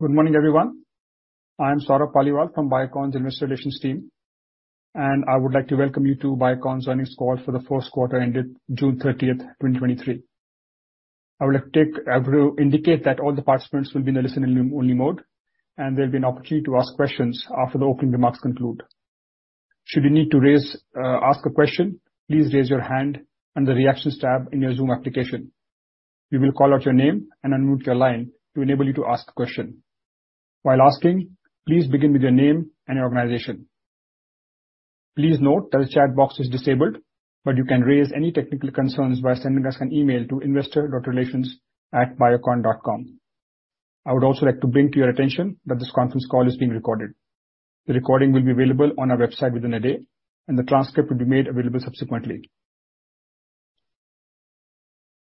Good morning, everyone. I am Saurabh Paliwal from Biocon's Investor Relations team, and I would like to welcome you to Biocon's Earnings Call for the First Quarter ended June 30, 2023. I would like to indicate that all the participants will be in a listen-only mode, and there'll be an opportunity to ask questions after the opening remarks conclude. Should you need to raise, ask a question, please raise your hand on the Reactions tab in your Zoom application. We will call out your name and unmute your line to enable you to ask a question. While asking, please begin with your name and your organization. Please note that the chat box is disabled, but you can raise any technical concerns by sending us an email to investor.relations@biocon.com. I would also like to bring to your attention that this conference call is being recorded. The recording will be available on our website within a day, and the transcript will be made available subsequently.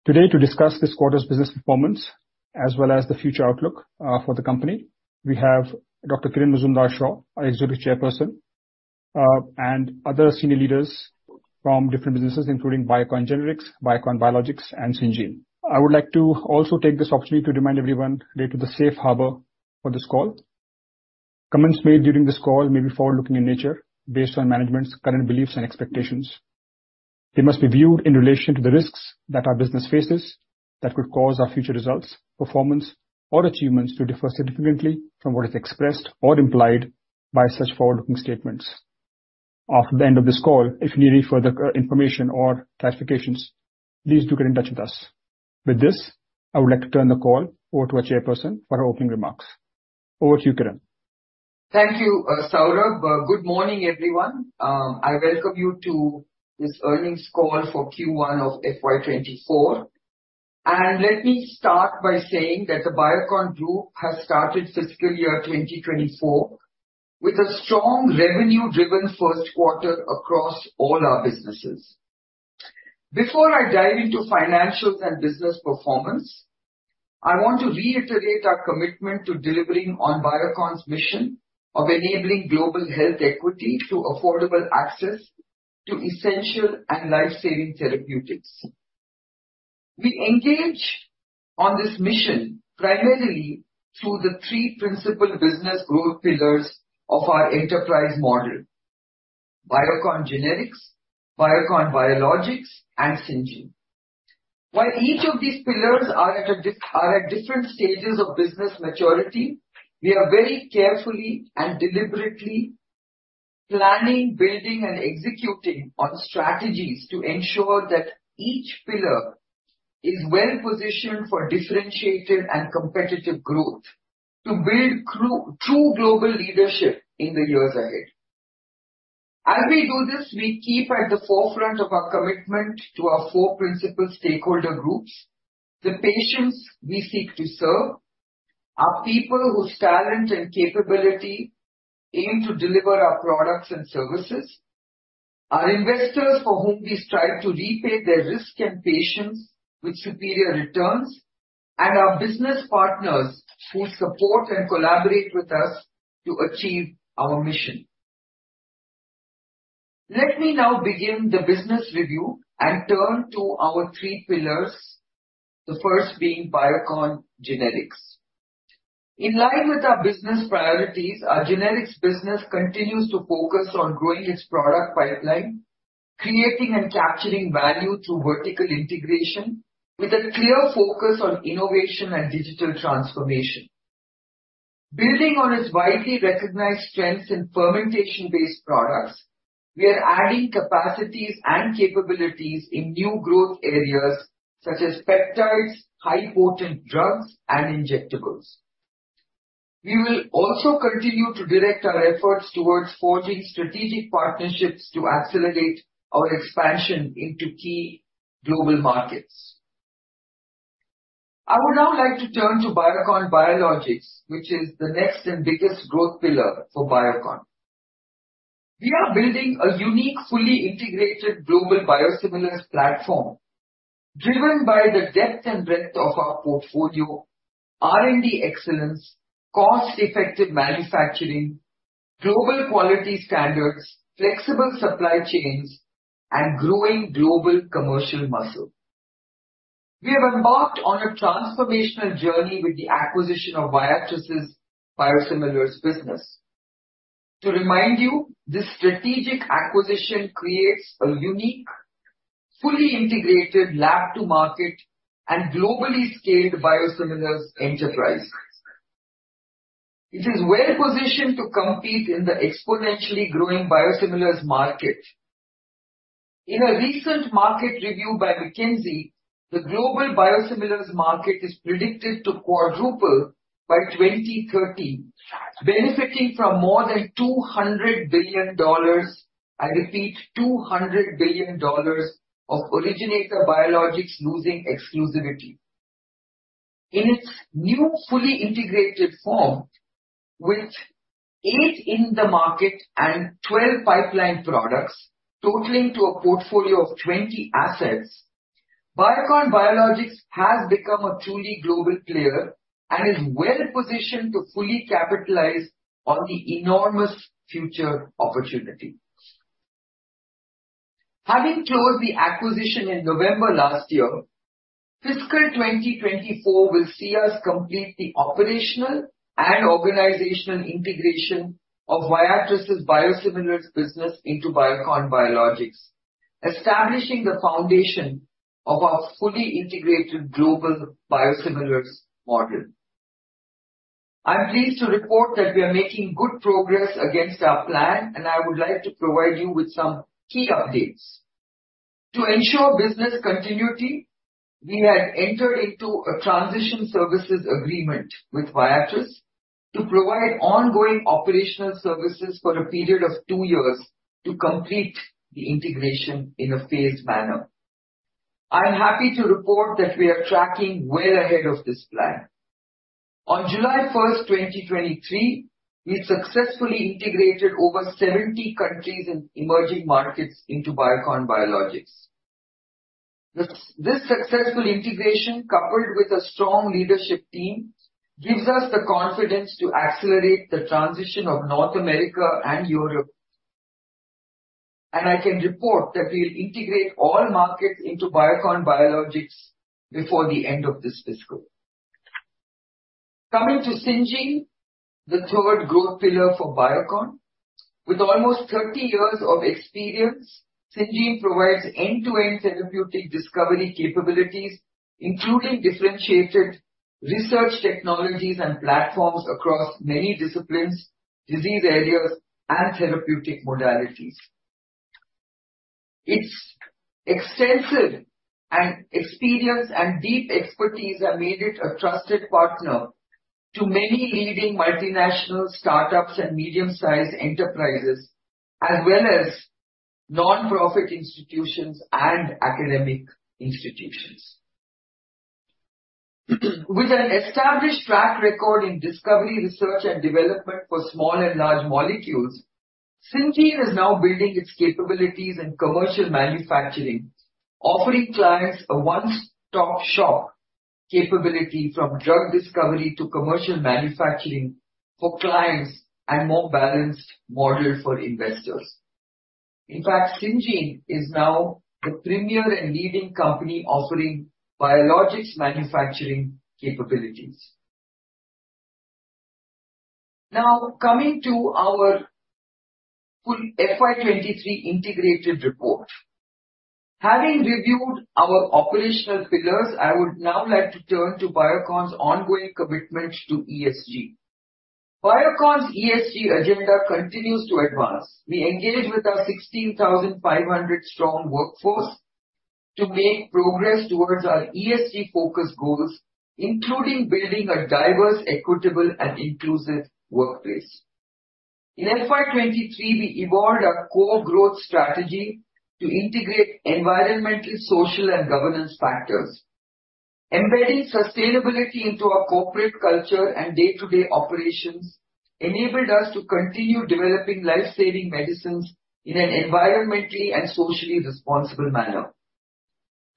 Today, to discuss this quarter's business performance, as well as the future outlook for the company, we have Dr. Kiran Mazumdar-Shaw, our Executive Chairperson, and other senior leaders from different businesses, including Biocon Generics, Biocon Biologics, and Syngene. I would like to also take this opportunity to remind everyone related to the safe harbor for this call. Comments made during this call may be forward-looking in nature based on management's current beliefs and expectations. They must be viewed in relation to the risks that our business faces that could cause our future results, performance, or achievements to differ significantly from what is expressed or implied by such forward-looking statements. After the end of this call, if you need any further information or clarifications, please do get in touch with us. With this, I would like to turn the call over to our Chairperson for opening remarks. Over to you, Kiran. Thank you, Saurabh. Good morning, everyone. I welcome you to this earnings call for Q1 of FY 2024. Let me start by saying that the Biocon Group has started fiscal year 2024 with a strong revenue-driven first quarter across all our businesses. Before I dive into financials and business performance, I want to reiterate our commitment to delivering on Biocon's mission of enabling global health equity to affordable access to essential and life-saving therapeutics. We engage on this mission primarily through the three principal business growth pillars of our enterprise model: Biocon Generics, Biocon Biologics, and Syngene. While each of these pillars are at different stages of business maturity, we are very carefully and deliberately planning, building, and executing on strategies to ensure that each pillar is well-positioned for differentiated and competitive growth to build true global leadership in the years ahead. As we do this, we keep at the forefront of our commitment to our four principal stakeholder groups: the patients we seek to serve, our people, whose talent and capability aim to deliver our products and services, our investors, for whom we strive to repay their risk and patience with superior returns, and our business partners who support and collaborate with us to achieve our mission. Let me now begin the business review and turn to our three pillars, the first being Biocon Generics. In line with our business priorities, our generics business continues to focus on growing its product pipeline, creating and capturing value through vertical integration, with a clear focus on innovation and digital transformation. Building on its widely recognized strengths in fermentation-based products, we are adding capacities and capabilities in new growth areas such as peptides, high-potent drugs, and injectables. We will also continue to direct our efforts towards forging strategic partnerships to accelerate our expansion into key global markets. I would now like to turn to Biocon Biologics, which is the next and biggest growth pillar for Biocon. We are building a unique, fully integrated global biosimilars platform driven by the depth and breadth of our portfolio, R&D excellence, cost-effective manufacturing, global quality standards, flexible supply chains, and growing global commercial muscle. We have embarked on a transformational journey with the acquisition of Viatris' biosimilars business. To remind you, this strategic acquisition creates a unique, fully integrated lab-to-market and globally scaled biosimilars enterprise. It is well-positioned to compete in the exponentially growing biosimilars market. In a recent market review by McKinsey, the global biosimilars market is predicted to quadruple by 2030, benefiting from more than $200 billion, I repeat, $200 billion of originator biologics losing exclusivity. In its new, fully integrated form, with eight in the market and 12 pipeline products totaling to a portfolio of 20 assets, Biocon Biologics has become a truly global player and is well-positioned to fully capitalize on the enormous future opportunity. Having closed the acquisition in November last year, fiscal 2024 will see us complete the operational and organizational integration of Viatris' biosimilars business into Biocon Biologics, establishing the foundation of our fully integrated global biosimilars model. I'm pleased to report that we are making good progress against our plan, and I would like to provide you with some key updates. To ensure business continuity, we had entered into a transition services agreement with Viatris to provide ongoing operational services for a period of two years to complete the integration in a phased manner. I am happy to report that we are tracking well ahead of this plan. On July 1, 2023, we successfully integrated over 70 countries in emerging markets into Biocon Biologics. This, this successful integration, coupled with a strong leadership team, gives us the confidence to accelerate the transition of North America and Europe, and I can report that we'll integrate all markets into Biocon Biologics before the end of this fiscal. Coming to Syngene, the third growth pillar for Biocon. With almost 30 years of experience, Syngene provides end-to-end therapeutic discovery capabilities, including differentiated research technologies and platforms across many disciplines, disease areas, and therapeutic modalities. Its extensive and experience and deep expertise have made it a trusted partner to many leading multinational startups and medium-sized enterprises, as well as nonprofit institutions and academic institutions. With an established track record in discovery, research, and development for small and large molecules, Syngene is now building its capabilities in commercial manufacturing, offering clients a one-stop shop capability from drug discovery to commercial manufacturing for clients and more balanced model for investors. In fact, Syngene is now the premier and leading company offering biologics manufacturing capabilities. Coming to our full FY 2023 integrated report. Having reviewed our operational pillars, I would now like to turn to Biocon's ongoing commitment to ESG. Biocon's ESG agenda continues to advance. We engage with our 16,500 strong workforce to make progress towards our ESG focus goals, including building a diverse, equitable, and inclusive workplace. In FY 2023, we evolved our core growth strategy to integrate environmental, social, and governance factors. Embedding sustainability into our corporate culture and day-to-day operations enabled us to continue developing life-saving medicines in an environmentally and socially responsible manner.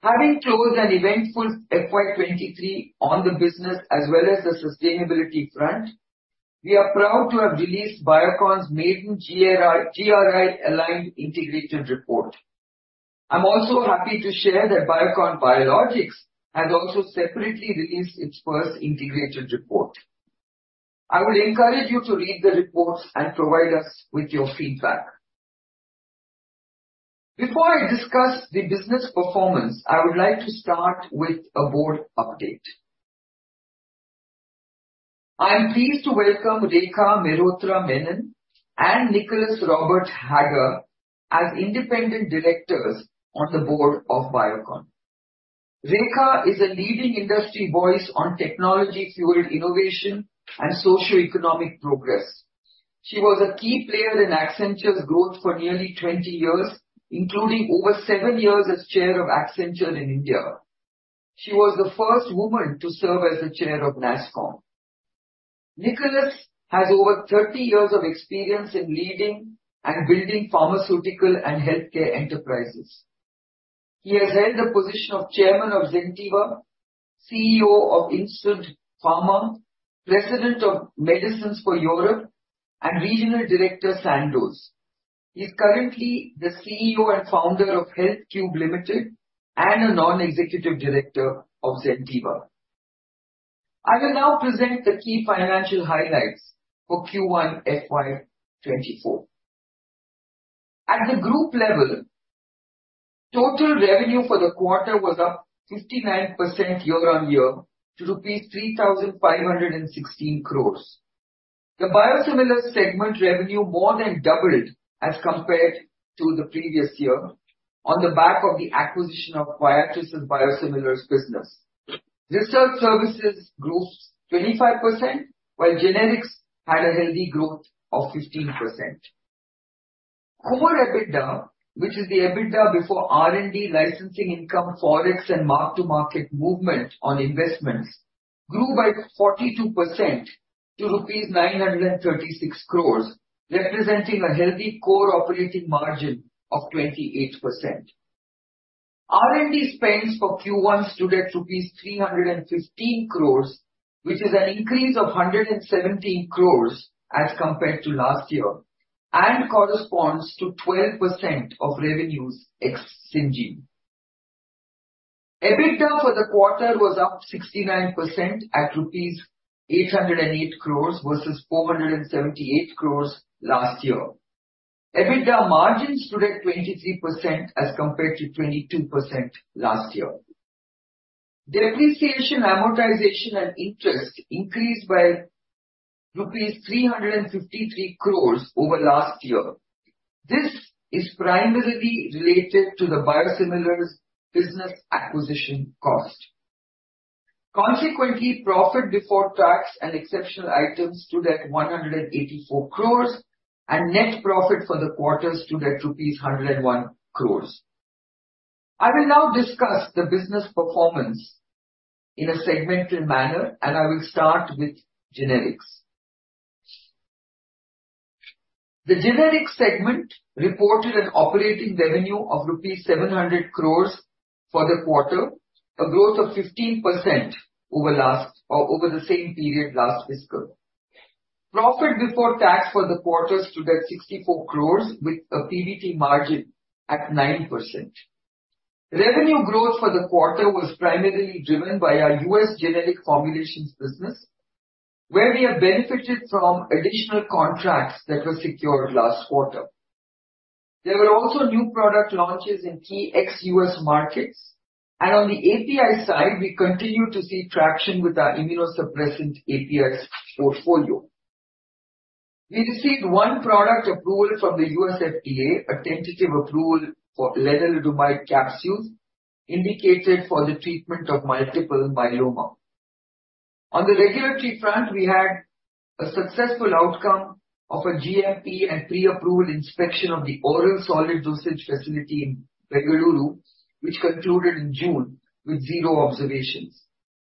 Having closed an eventful FY 2023 on the business as well as the sustainability front, we are proud to have released Biocon's maiden GRI, GRI-aligned integrated report. I'm also happy to share that Biocon Biologics has also separately released its first integrated report. I would encourage you to read the reports and provide us with your feedback. Before I discuss the business performance, I would like to start with a board update. I am pleased to welcome Rekha Mehrotra Menon and Nicholas Robert Haggar as independent directors on the board of Biocon. Rekha is a leading industry voice on technology-fueled innovation and socioeconomic progress. She was a key player in Accenture's growth for nearly 20 years, including over seven years as Chair of Accenture in India. She was the first woman to serve as the Chair of NASSCOM. Nicholas has over 30 years of experience in leading and building pharmaceutical and healthcare enterprises. He has held the position of Chairman of Zentiva, CEO of Insud Pharma, President of Medicines for Europe, and Regional Director, Sandoz. He's currently the CEO and founder of HealthCubed Limited and a non-executive director of Zentiva. I will now present the key financial highlights for Q1 FY 2024. At the group level, total revenue for the quarter was up 59% year-on-year to INR 3,516 crore. The biosimilars segment revenue more than doubled as compared to the previous year on the back of the acquisition of Viatris' biosimilars business. Research services grew 25%, while Generics had a healthy growth of 15%. Core EBITDA, which is the EBITDA before R&D, licensing income, Forex, and mark-to-market movement on investments, grew by 42% to rupees 936 crore, representing a healthy core operating margin of 28%. R&D spends for Q1 stood at rupees 315 crore, which is an increase of 117 crore as compared to last year, and corresponds to 12% of revenues ex Syngene. EBITDA for the quarter was up 69% at rupees 808 crores versus 478 crores last year. EBITDA margins stood at 23%, as compared to 22% last year. Depreciation, amortization, and interest increased by rupees 353 crores over last year. This is primarily related to the biosimilars business acquisition cost. Consequently, profit before tax and exceptional items stood at 184 crores, and net profit for the quarter stood at rupees 101 crores. I will now discuss the business performance in a segmental manner, and I will start with generics. The generics segment reported an operating revenue of rupees 700 crores for the quarter, a growth of 15% over last or over the same period last fiscal. Profit before tax for the quarter stood at 64 crore, with a PBT margin at 9%. Revenue growth for the quarter was primarily driven by our U.S. generic formulations business, where we have benefited from additional contracts that were secured last quarter. There were also new product launches in key ex-U.S. markets. On the API side, we continue to see traction with our immunosuppressant APIs portfolio. We received one product approval from the U.S. FDA, a tentative approval for lenalidomide capsules indicated for the treatment of multiple myeloma. On the regulatory front, we had a successful outcome of a GMP and pre-approval inspection of the oral solid dosage facility in Bengaluru, which concluded in June with zero observations.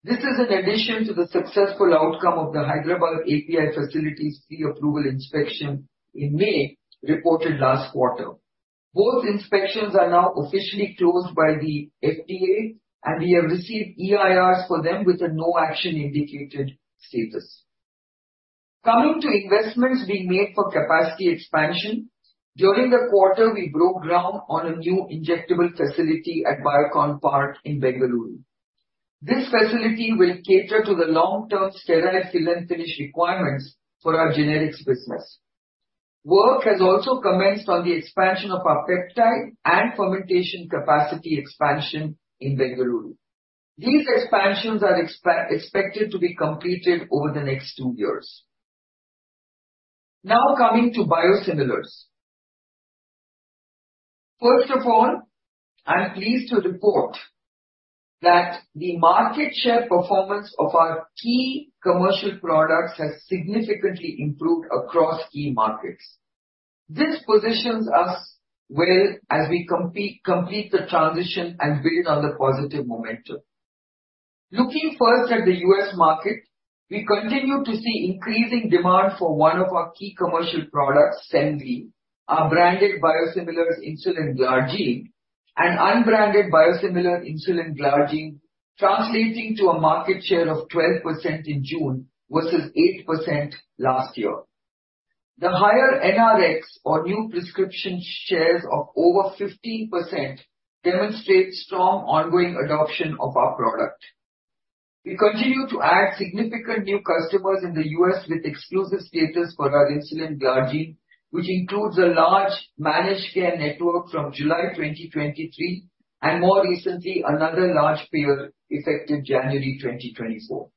This is in addition to the successful outcome of the Hyderabad API facility's pre-approval inspection in May, reported last quarter. Both inspections are now officially closed by the FDA, we have received EIRs for them with a no action indicated status. Coming to investments being made for capacity expansion, during the quarter, we broke ground on a new injectable facility at Biocon Park in Bengaluru. This facility will cater to the long-term sterile fill and finish requirements for our generics business. Work has also commenced on the expansion of our peptide and fermentation capacity expansion in Bengaluru. These expansions are expected to be completed over the next two years. Coming to biosimilars. First of all, I'm pleased to report that the market share performance of our key commercial products has significantly improved across key markets. This positions us well as we complete the transition and build on the positive momentum. Looking first at the U.S. market, we continue to see increasing demand for one of our key commercial products, Semglee, our branded biosimilar insulin glargine, and unbranded biosimilar insulin glargine, translating to a market share of 12% in June versus 8% last year. The higher NRX or new prescription shares of over 15% demonstrate strong ongoing adoption of our product. We conti.nue to add significant new customers in the U.S. with exclusive status for our insulin glargine, which includes a large managed care network from July 2023, and more recently, another large payer, effective January 2024.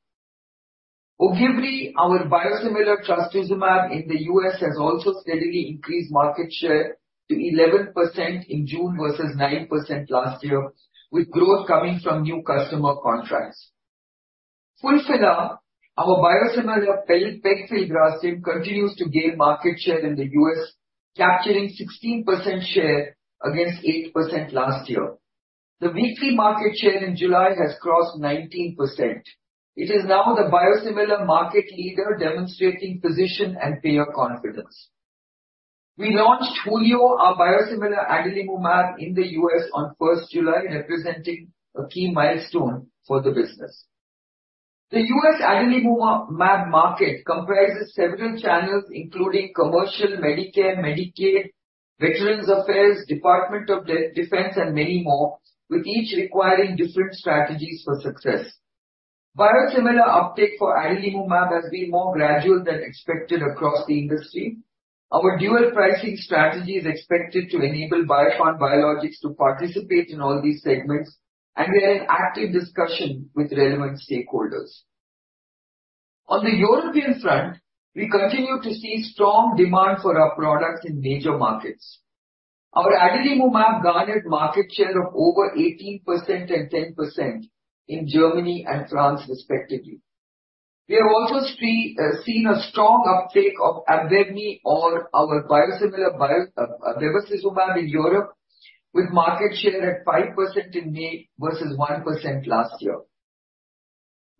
Ogivri, our biosimilar trastuzumab in the U.S., has also steadily increased market share to 11% in June versus 9% last year, with growth coming from new customer contracts. Fulphila, our biosimilar pegfilgrastim, continues to gain market share in the U.S., capturing 16% share against 8% last year. The weekly market share in July has crossed 19%. It is now the biosimilar market leader, demonstrating physician and payer confidence. We launched Hulio, our biosimilar adalimumab, in the U.S. on first July, representing a key milestone for the business. The U.S. adalimumab market comprises several channels, including commercial Medicare, Medicaid, Veterans Affairs, Department of Defense, and many more, with each requiring different strategies for success. Biosimilar uptake for adalimumab has been more gradual than expected across the industry. Our dual pricing strategy is expected to enable Biocon Biologics to participate in all these segments, and we are in active discussion with relevant stakeholders. On the European front, we continue to see strong demand for our products in major markets. Our adalimumab garnered market share of over 18% and 10% in Germany and France, respectively. We have also seen a strong uptake of Abevmy or our biosimilar bevacizumab in Europe, with market share at 5% in May versus 1% last year.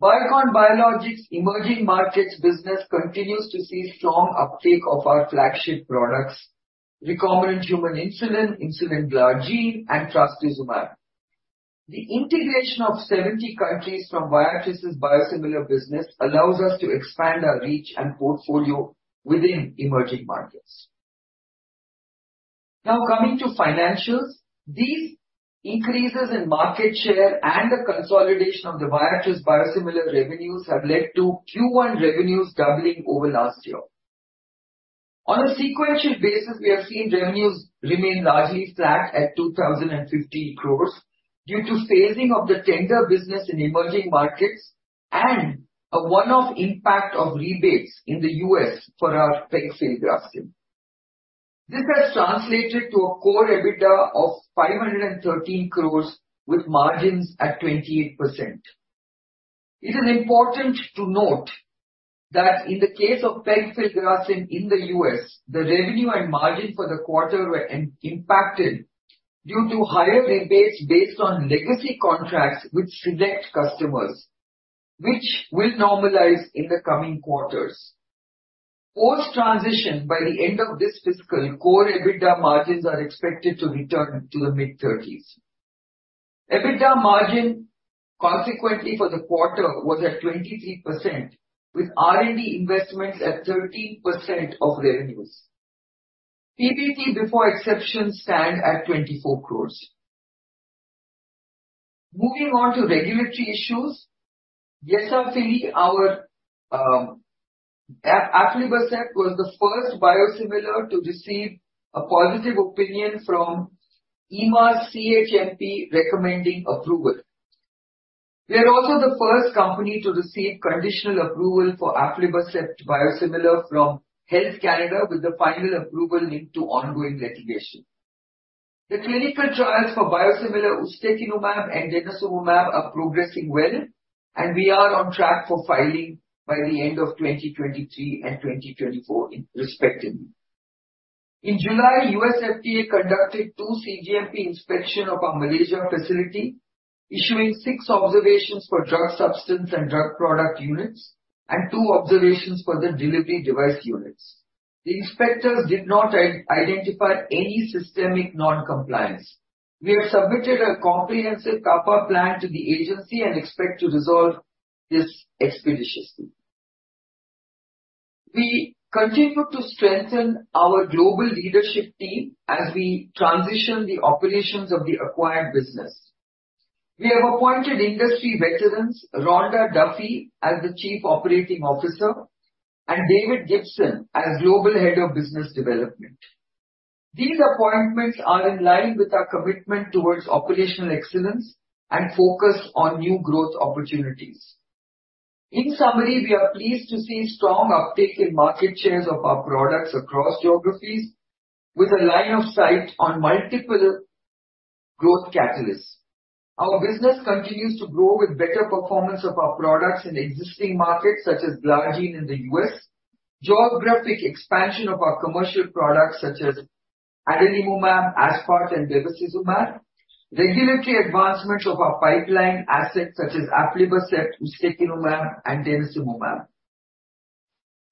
Biocon Biologics' emerging markets business continues to see strong uptake of our flagship products, recombinant human insulin, insulin glargine, and trastuzumab. The integration of 70 countries from Viatris' biosimilar business allows us to expand our reach and portfolio within emerging markets. Coming to financials, these increases in market share and the consolidation of the Viatris biosimilar revenues have led to Q1 revenues doubling over last year. On a sequential basis, we have seen revenues remain largely flat at 2,015 crore due to phasing of the tender business in emerging markets and a one-off impact of rebates in the U.S. for our pegfilgrastim. This has translated to a core EBITDA of 513 crore, with margins at 28%. It is important to note that in the case of pegfilgrastim in the U.S., the revenue and margin for the quarter were impacted due to higher rebates based on legacy contracts with select customers, which will normalize in the coming quarters. Post-transition, by the end of this fiscal, core EBITDA margins are expected to return to the mid-thirties. EBITDA margin, consequently for the quarter, was at 23%, with R&D investments at 13% of revenues. PBT before exceptions stand at 24 crore. Moving on to regulatory issues, Yesafili, our aflibercept, was the first biosimilar to receive a positive opinion from EMA's CHMP, recommending approval. We are also the first company to receive conditional approval for aflibercept biosimilar from Health Canada, with the final approval linked to ongoing litigation. The clinical trials for biosimilar ustekinumab and denosumab are progressing well, and we are on track for filing by the end of 2023 and 2024, respectively. In July, US FDA conducted two CGMP inspection of our Malaysia facility, issuing six observations for drug substance and drug product units and two observations for the delivery device units. The inspectors did not identify any systemic non-compliance. We have submitted a comprehensive CAPA plan to the agency and expect to resolve this expeditiously. We continue to strengthen our global leadership team as we transition the operations of the acquired business. We have appointed industry veterans, Rhonda Duffy, as the Chief Operating Officer and David Gibson as Global Head of Business Development. These appointments are in line with our commitment towards operational excellence and focus on new growth opportunities. In summary, we are pleased to see strong uptake in market shares of our products across geographies with a line of sight on multiple growth catalysts. Our business continues to grow with better performance of our products in existing markets, such as glargine in the U.S., geographic expansion of our commercial products such as adalimumab, aspart, and bevacizumab, regulatory advancements of our pipeline assets such as aflibercept, ustekinumab, and denosumab.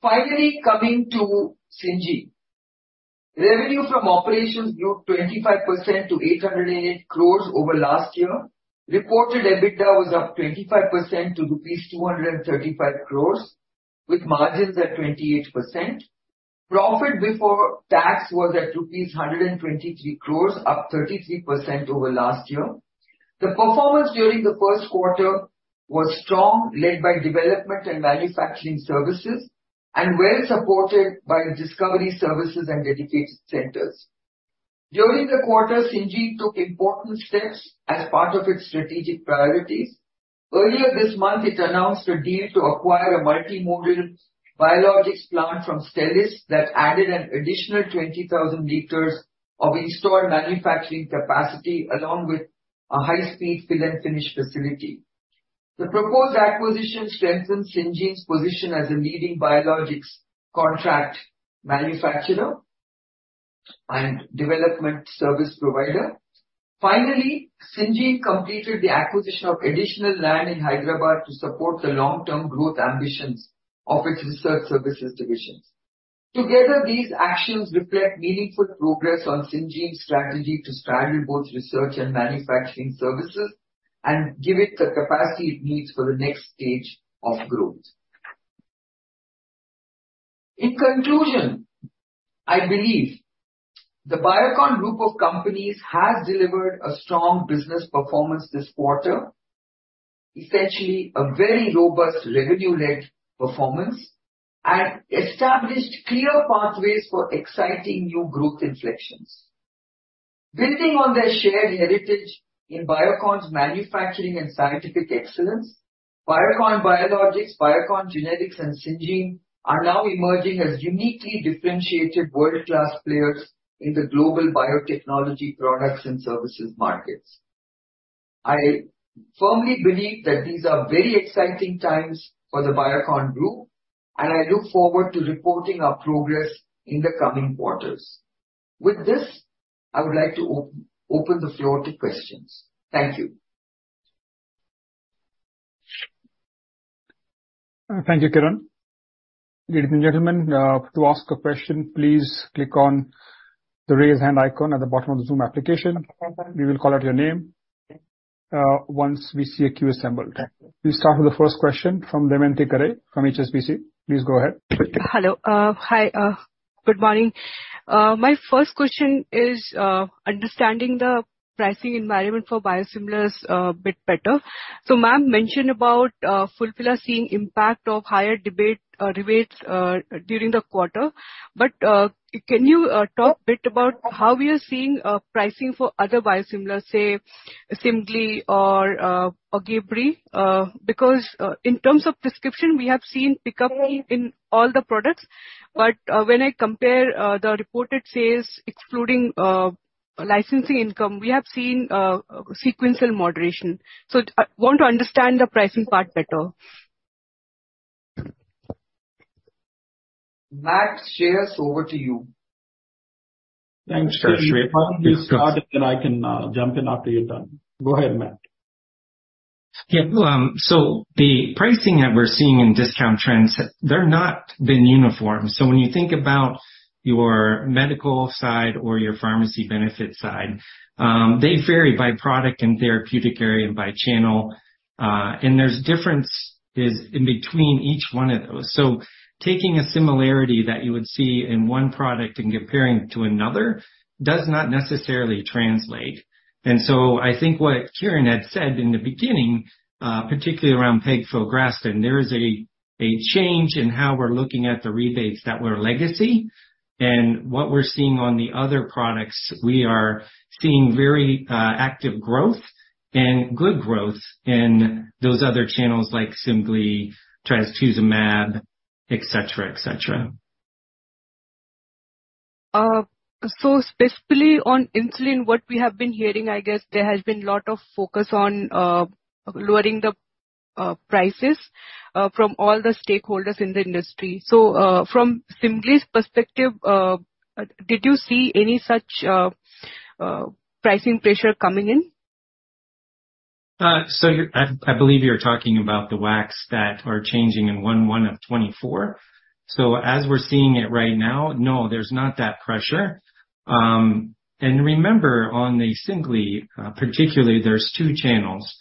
Finally, coming to Syngene, revenue from operations grew 25% to 808 crore over last year. Reported EBITDA was up 25% to rupees 235 crore, with margins at 28%. Profit before tax was at rupees 123 crore, up 33% over last year. The performance during the 1st quarter was strong, led by development and manufacturing services, and well supported by the discovery services and dedicated centers. During the quarter, Syngene took important steps as part of its strategic priorities. Earlier this month, it announced a deal to acquire a multimodal biologics plant from Stelis that added an additional 20,000 liters of installed manufacturing capacity, along with a high-speed fill and finish facility. The proposed acquisition strengthens Syngene's position as a leading biologics contract manufacturer and development service provider. Finally, Syngene completed the acquisition of additional land in Hyderabad to support the long-term growth ambitions of its research services divisions. Together, these actions reflect meaningful progress on Syngene's strategy to strangle both research and manufacturing services and give it the capacity it needs for the next stage of growth. In conclusion, I believe the Biocon group of companies has delivered a strong business performance this quarter, essentially a very robust revenue-led performance, and established clear pathways for exciting new growth inflections. Building on their shared heritage in Biocon's manufacturing and scientific excellence, Biocon Biologics, Biocon Generics, and Syngene are now emerging as uniquely differentiated world-class players in the global biotechnology products and services markets. I firmly believe that these are very exciting times for the Biocon group, and I look forward to reporting our progress in the coming quarters. With this, I would like to open the floor to questions. Thank you. Thank you, Kiran. Ladies and gentlemen, to ask a question, please click on the Raise Hand icon at the bottom of the Zoom application. We will call out your name once we see a queue assembled. Thank you. We'll start with the first question from Damayanti Kerai from HSBC. Please go ahead. Hello. Hi, good morning. My first question is understanding the pricing environment for biosimilars a bit better. Ma'am mentioned about Fulphila seeing impact of higher rebates, rebates during the quarter. Can you talk a bit about how we are seeing pricing for other biosimilars, say, Semglee or Ogivri? In terms of prescription, we have seen recovery in all the products. When I compare the reported sales, excluding licensing income, we have seen sequential moderation. I want to understand the pricing part better. Matt, Shreehas, over to you. Thanks, Kiran. You start. I can jump in after you're done. Go ahead, Matt. Yeah, the pricing that we're seeing in discount trends, they've not been uniform. When you think about your medical side or your pharmacy benefit side, they vary by product and therapeutic area and by channel, and there's differences in between each one of those. Taking a similarity that you would see in one product and comparing to another, does not necessarily translate. I think what Kiran had said in the beginning, particularly around pegfilgrastim, there is a change in how we're looking at the rebates that were legacy. What we're seeing on the other products, we are seeing very active growth and good growth in those other channels, like Semglee, trastuzumab, et cetera, et cetera. Specifically on insulin, what we have been hearing, I guess, there has been a lot of focus on lowering the prices from all the stakeholders in the industry. From Semglee's perspective, did you see any such pricing pressure coming in? You're... I, I believe you're talking about the WACs that are changing in 1/1 of 2024. As we're seeing it right now, no, there's not that pressure. Remember, on the Semglee, particularly, there's two channels.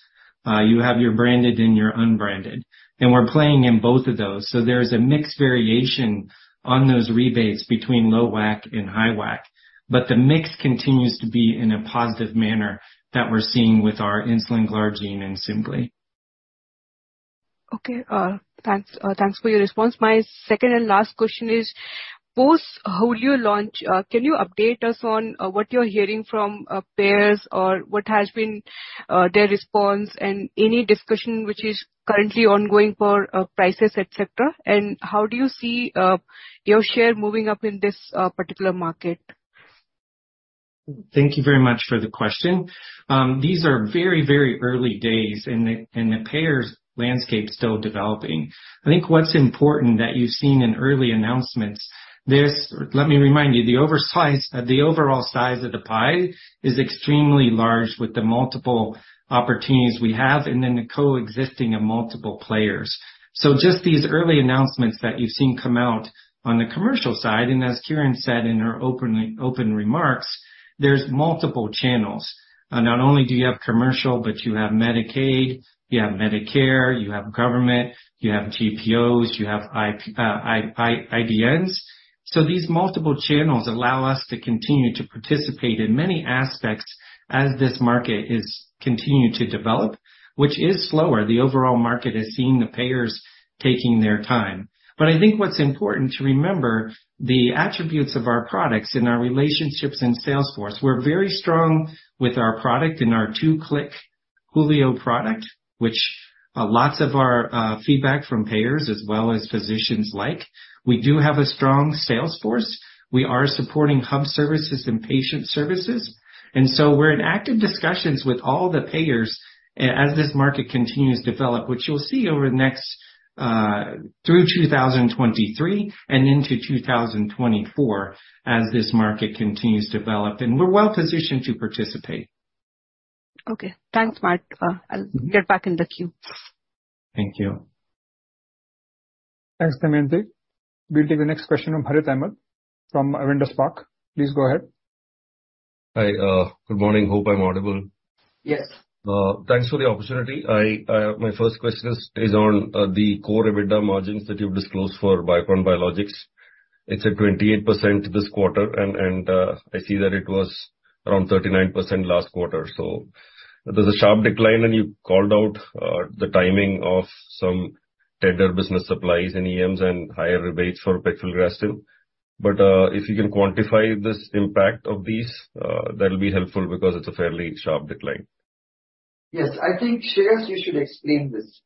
You have your branded and your unbranded, and we're playing in both of those. There's a mixed variation on those rebates between low WAC and high WAC, but the mix continues to be in a positive manner that we're seeing with our insulin glargine and Semglee. Okay, thanks, thanks for your response. My second and last question is, post-Hulio launch, can you update us on, what you're hearing from, payers or what has been, their response, and any discussion which is currently ongoing for, prices, et cetera? How do you see, your share moving up in this, particular market? Thank you very much for the question. These are very, very early days, and the payers' landscape is still developing. I think what's important that you've seen in early announcements, there's. Let me remind you, the overall size of the pie is extremely large, with the multiple opportunities we have and then the coexisting of multiple players. Just these early announcements that you've seen come out on the commercial side, and as Kiran said in her open remarks, there's multiple channels. Not only do you have commercial, but you have Medicaid, you have Medicare, you have government, you have TPOs, you have IDNs. These multiple channels allow us to continue to participate in many aspects as this market is continuing to develop, which is slower. The overall market is seeing the payers taking their time. I think what's important to remember, the attributes of our products and our relationships and sales force, we're very strong with our product and our two-click Hulio product, which, lots of our, feedback from payers as well as physicians like. We do have a strong sales force. We are supporting hub services and patient services, and so we're in active discussions with all the payers as this market continues to develop, which you'll see over the next, through 2023 and into 2024, as this market continues to develop, and we're well positioned to participate. Okay. Thanks, Matt. I'll get back in the queue. Thank you. Thanks, Damayanti. We'll take the next question from Harith Ahamed from Avendus Spark. Please go ahead. Hi, good morning. Hope I'm audible. Yes. Thanks for the opportunity. I, my first question is, is on the core EBITDA margins that you've disclosed for Biocon Biologics. It's at 28% this quarter. I see that it was around 39% last quarter. There's a sharp decline, and you called out the timing of some tender business supplies in EMs and higher rebates for pegfilgrastim. If you can quantify this impact of these, that'll be helpful, because it's a fairly sharp decline. Yes. I think, Shreehas, you should explain this.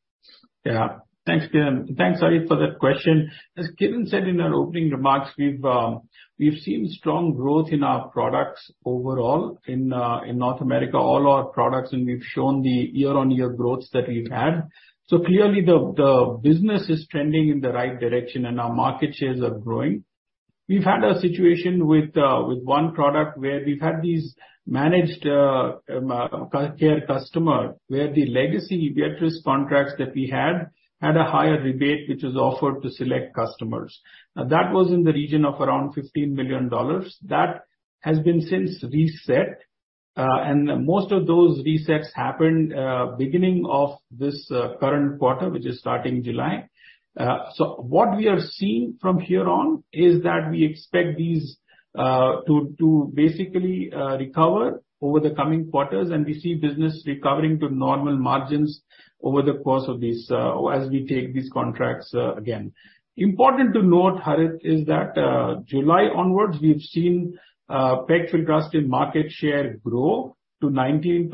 Yeah. Thanks, Kiran. Thanks, Harith, for that question. As Kiran said in our opening remarks, we've seen strong growth in our products overall in North America, all our products, and we've shown the year-on-year growth that we've had. Clearly the, the business is trending in the right direction, and our market shares are growing. We've had a situation with one product where we've had these managed care customer, where the legacy Viatris contracts that we had, had a higher rebate, which was offered to select customers. That was in the region of around $15 million. That has been since reset, and most of those resets happened beginning of this current quarter, which is starting July. What we are seeing from here on, is that we expect these to basically recover over the coming quarters, and we see business recovering to normal margins over the course of this as we take these contracts again. Important to note, Harit, is that July onwards, we've seen pegfilgrastim market share grow to 19%,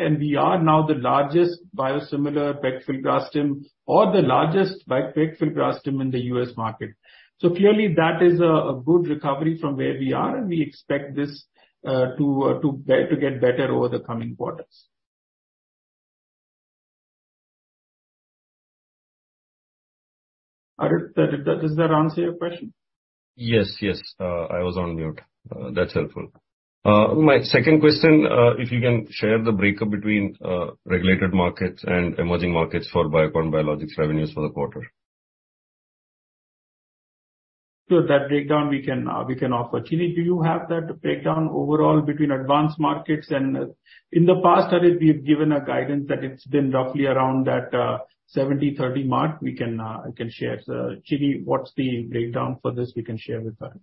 and we are now the largest biosimilar pegfilgrastim or the largest by pegfilgrastim in the US market. Clearly that is a good recovery from where we are, and we expect this to get better over the coming quarters. Harit, does that answer your question? Yes, yes. I was on mute. That's helpful. My second question, if you can share the breakup between regulated markets and emerging markets for Biocon Biologics revenues for the quarter. Sure, that breakdown we can, we can offer. Chini, do you have that breakdown overall between advanced markets? In the past, Harit, we've given a guidance that it's been roughly around that 70-30 mark. We can, I can share. Chini, what's the breakdown for this we can share with Harit?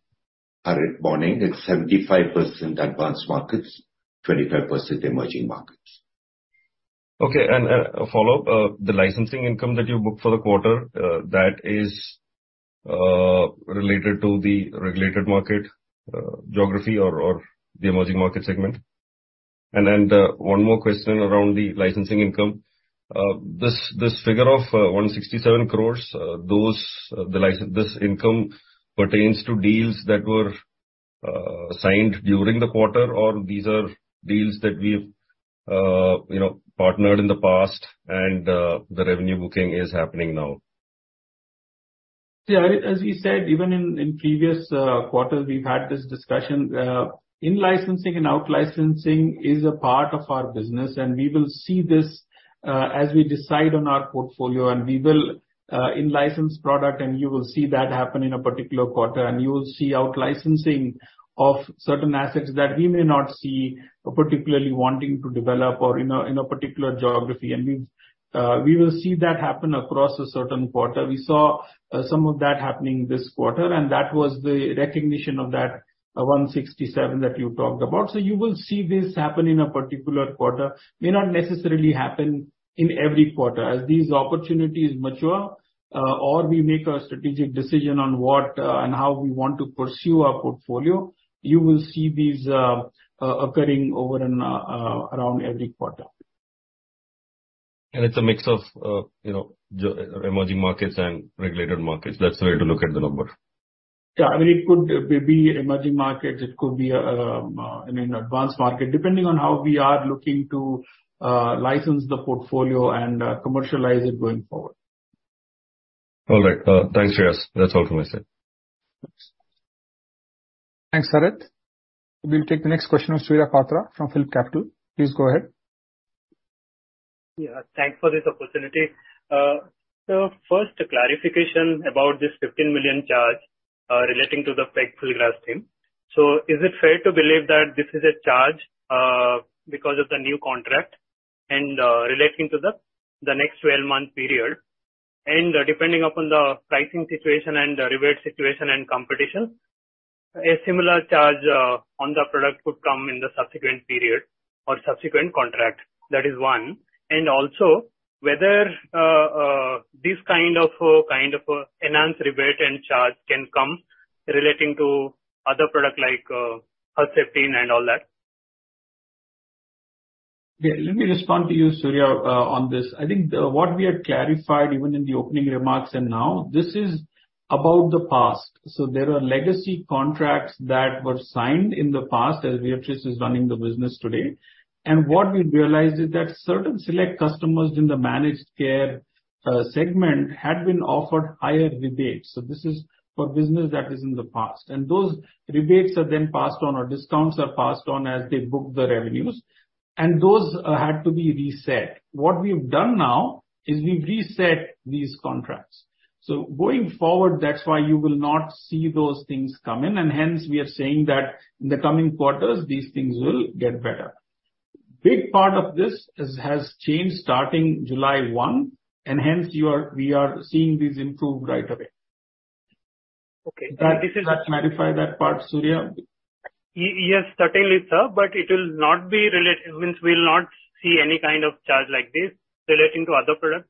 Harith, morning, it's 75% advanced markets, 25% emerging markets. Okay, a follow-up, the licensing income that you booked for the quarter, that is related to the regulated market geography or the emerging market segment? One more question around the licensing income. This, this figure of 167 crore, those, this income pertains to deals that were signed during the quarter, or these are deals that we've, you know, partnered in the past, and the revenue booking is happening now? Yeah, Harith, as we said, even in, in previous quarters, we've had this discussion, in-licensing and out-licensing is a part of our business. We will see this as we decide on our portfolio. We will in-license product, and you will see that happen in a particular quarter. You will see out-licensing of certain assets that we may not see particularly wanting to develop or in a particular geography. We will see that happen across a certain quarter. We saw some of that happening this quarter, and that was the recognition of that 167 that you talked about. You will see this happen in a particular quarter. May not necessarily happen in every quarter. As these opportunities mature, or we make a strategic decision on what, and how we want to pursue our portfolio, you will see these, occurring over and, around every quarter. It's a mix of, you know, the emerging markets and regulated markets, that's the way to look at the number? Yeah, I mean, it could be emerging markets, it could be in an advanced market, depending on how we are looking to license the portfolio and commercialize it going forward. All right, thanks, Shreehas. That's all from my side. Thanks, Harit. We'll take the next question from Surya Patra from PhillipCapital. Please go ahead. Yeah, thanks for this opportunity. First, a clarification about this 15 million charge relating to the pegfilgrastim. Is it fair to believe that this is a charge because of the new contract and relating to the 12-month period, and depending upon the pricing situation and the rebate situation and competition, a similar charge on the product would come in the subsequent period or subsequent contract? That is one. Also, whether this kind of enhanced rebate and charge can come relating to other product like Herceptin and all that? Yeah, let me respond to you, Surya, on this. I think what we have clarified even in the opening remarks and now, this is about the past. There are legacy contracts that were signed in the past, as Viatris is running the business today. What we realized is that certain select customers in the managed care segment had been offered higher rebates. This is for business that is in the past, and those rebates are then passed on, or discounts are passed on as they book the revenues, and those had to be reset. What we've done now, is we've reset these contracts. Going forward, that's why you will not see those things come in, and hence we are saying that in the coming quarters, these things will get better. Big part of this is, has changed starting July 1, hence we are seeing this improve right away. Okay. Does that clarify that part, Surya? Yes, certainly, sir. It will not be related. Means, we'll not see any kind of charge like this relating to other products?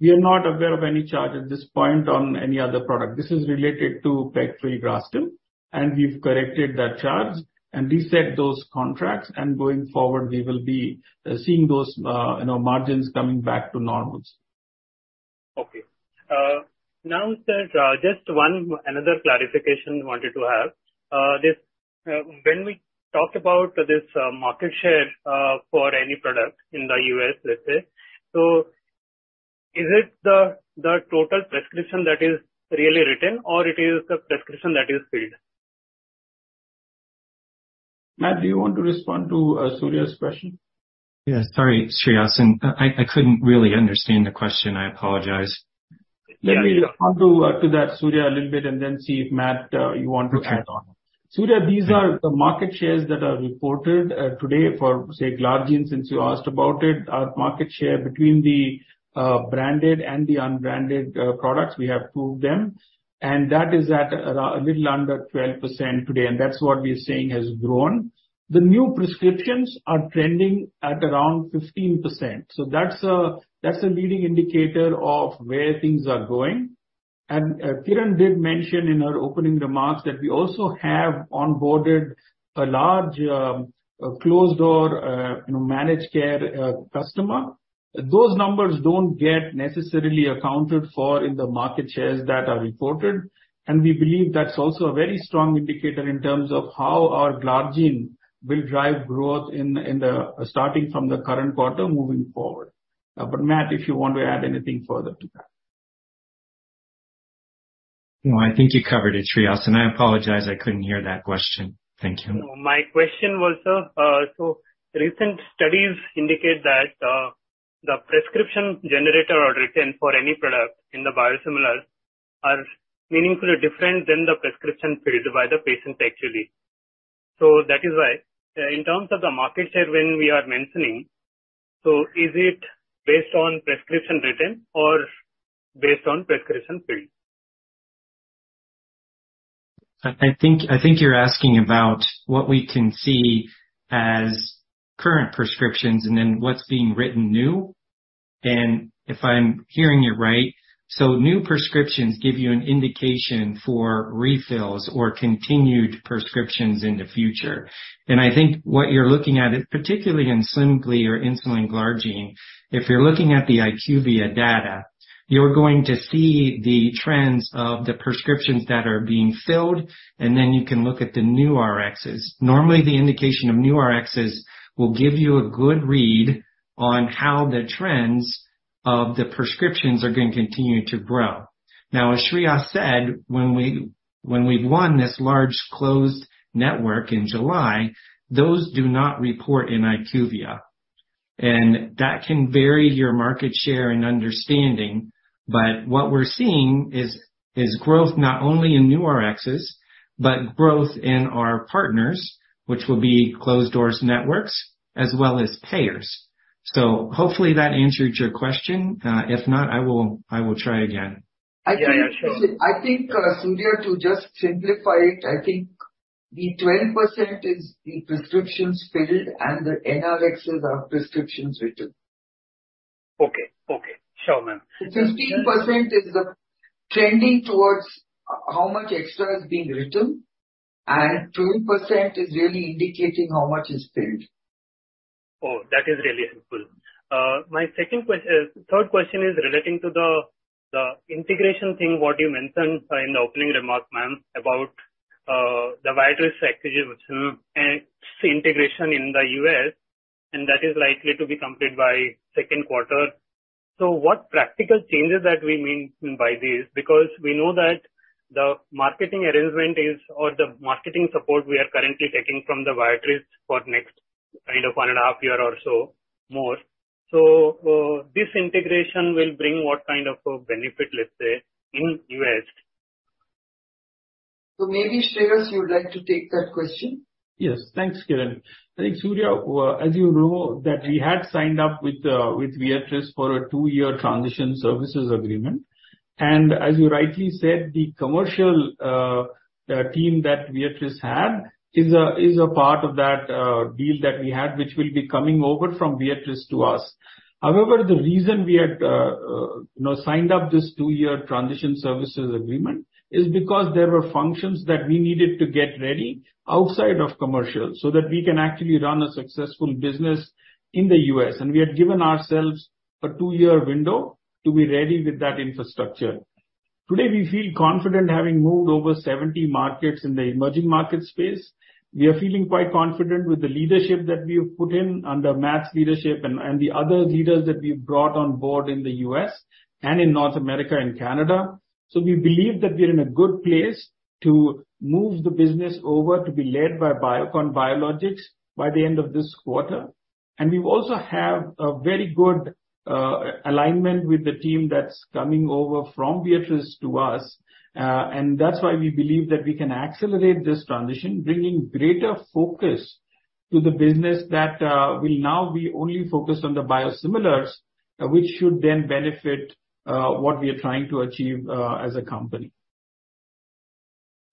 We are not aware of any charge at this point on any other product. This is related to pegfilgrastim, and we've corrected that charge and reset those contracts, and going forward, we will be seeing those, you know, margins coming back to normals. Okay. Now, sir, just one another clarification I wanted to have. This, when we talk about this market share for any product in the US, let's say, is it the total prescription that is really written or it is the prescription that is filled? Matt, do you want to respond to Surya's question? Yeah. Sorry, Shreehas, I, I couldn't really understand the question. I apologize. Let me add to, to that, Surya, a little bit, and then see if, Matt, you want to add on. Okay. Surya, these are the market shares that are reported today for, say, Glargine, since you asked about it. Our market share between the branded and the unbranded products, we have proved them, and that is at a little under 12% today, and that's what we are saying has grown. The new prescriptions are trending at around 15%, so that's a, that's a leading indicator of where things are going. Kiran did mention in her opening remarks that we also have onboarded a large closed door, you know, managed care customer. Those numbers don't get necessarily accounted for in the market shares that are reported, and we believe that's also a very strong indicator in terms of how our Glargine will drive growth in, in the... starting from the current quarter moving forward. Matt, if you want to add anything further to that. No, I think you covered it, Shreehas. I apologize I couldn't hear that question. Thank you. My question was, so recent studies indicate that the prescription generated or written for any product in the biosimilars are meaningfully different than the prescription filled by the patient actually. That is why, in terms of the market share, when we are mentioning, so is it based on prescription written or based on prescription filled? I, I think, I think you're asking about what we can see as current prescriptions and then what's being written new. If I'm hearing you right, so new prescriptions give you an indication for refills or continued prescriptions in the future. I think what you're looking at, particularly in Semglee or insulin glargine, if you're looking at the IQVIA data, you're going to see the trends of the prescriptions that are being filled, and then you can look at the new RXs. Normally, the indication of new RXs will give you a good read on how the trends of the prescriptions are going to continue to grow. As Shreehas said, when we, when we've won this large closed network in July, those do not report in IQVIA, and that can vary your market share and understanding. What we're seeing is, is growth, not only in new RXs, but growth in our partners, which will be closed doors networks as well as payers. Hopefully that answered your question. If not, I will, I will try again. Yeah, yeah, sure. I think, Surya, to just simplify it, I think the 12% is the prescriptions filled and the NRXs are prescriptions written. Okay. Okay. Sure, ma'am. 15% is the trending towards how much extra is being written. 12% is really indicating how much is filled. Oh, that is really helpful. My third question is relating to the, the integration thing, what you mentioned in the opening remarks, ma'am, about the Viatris strategies and its integration in the US, and that is likely to be completed by second quarter. What practical changes are we mean by this? Because we know that the marketing arrangement is, or the marketing support we are currently taking from the Viatris for next kind of 1.5 years or so more. This integration will bring what kind of a benefit, let's say, in US? Maybe, Shreehas, you would like to take that question? Yes. Thanks, Kiran. I think, Surya, as you know, that we had signed up with, with Viatris for a two-year transition services agreement. As you rightly said, the commercial, team that Viatris had is a, is a part of that, deal that we had, which will be coming over from Viatris to us. The reason we had, you know, signed up this two-year transition services agreement is because there were functions that we needed to get ready outside of commercial, so that we can actually run a successful business in the US, and we had given ourselves a two-year window to be ready with that infrastructure. Today, we feel confident having moved over 70 markets in the emerging market space. We are feeling quite confident with the leadership that we have put in under Matt's leadership and the other leaders that we've brought on board in the US and in North America and Canada. We believe that we're in a good place to move the business over to be led by Biocon Biologics by the end of this quarter. We also have a very good alignment with the team that's coming over from Viatris to us. That's why we believe that we can accelerate this transition, bringing greater focus to the business that will now be only focused on the biosimilars, which should then benefit what we are trying to achieve as a company.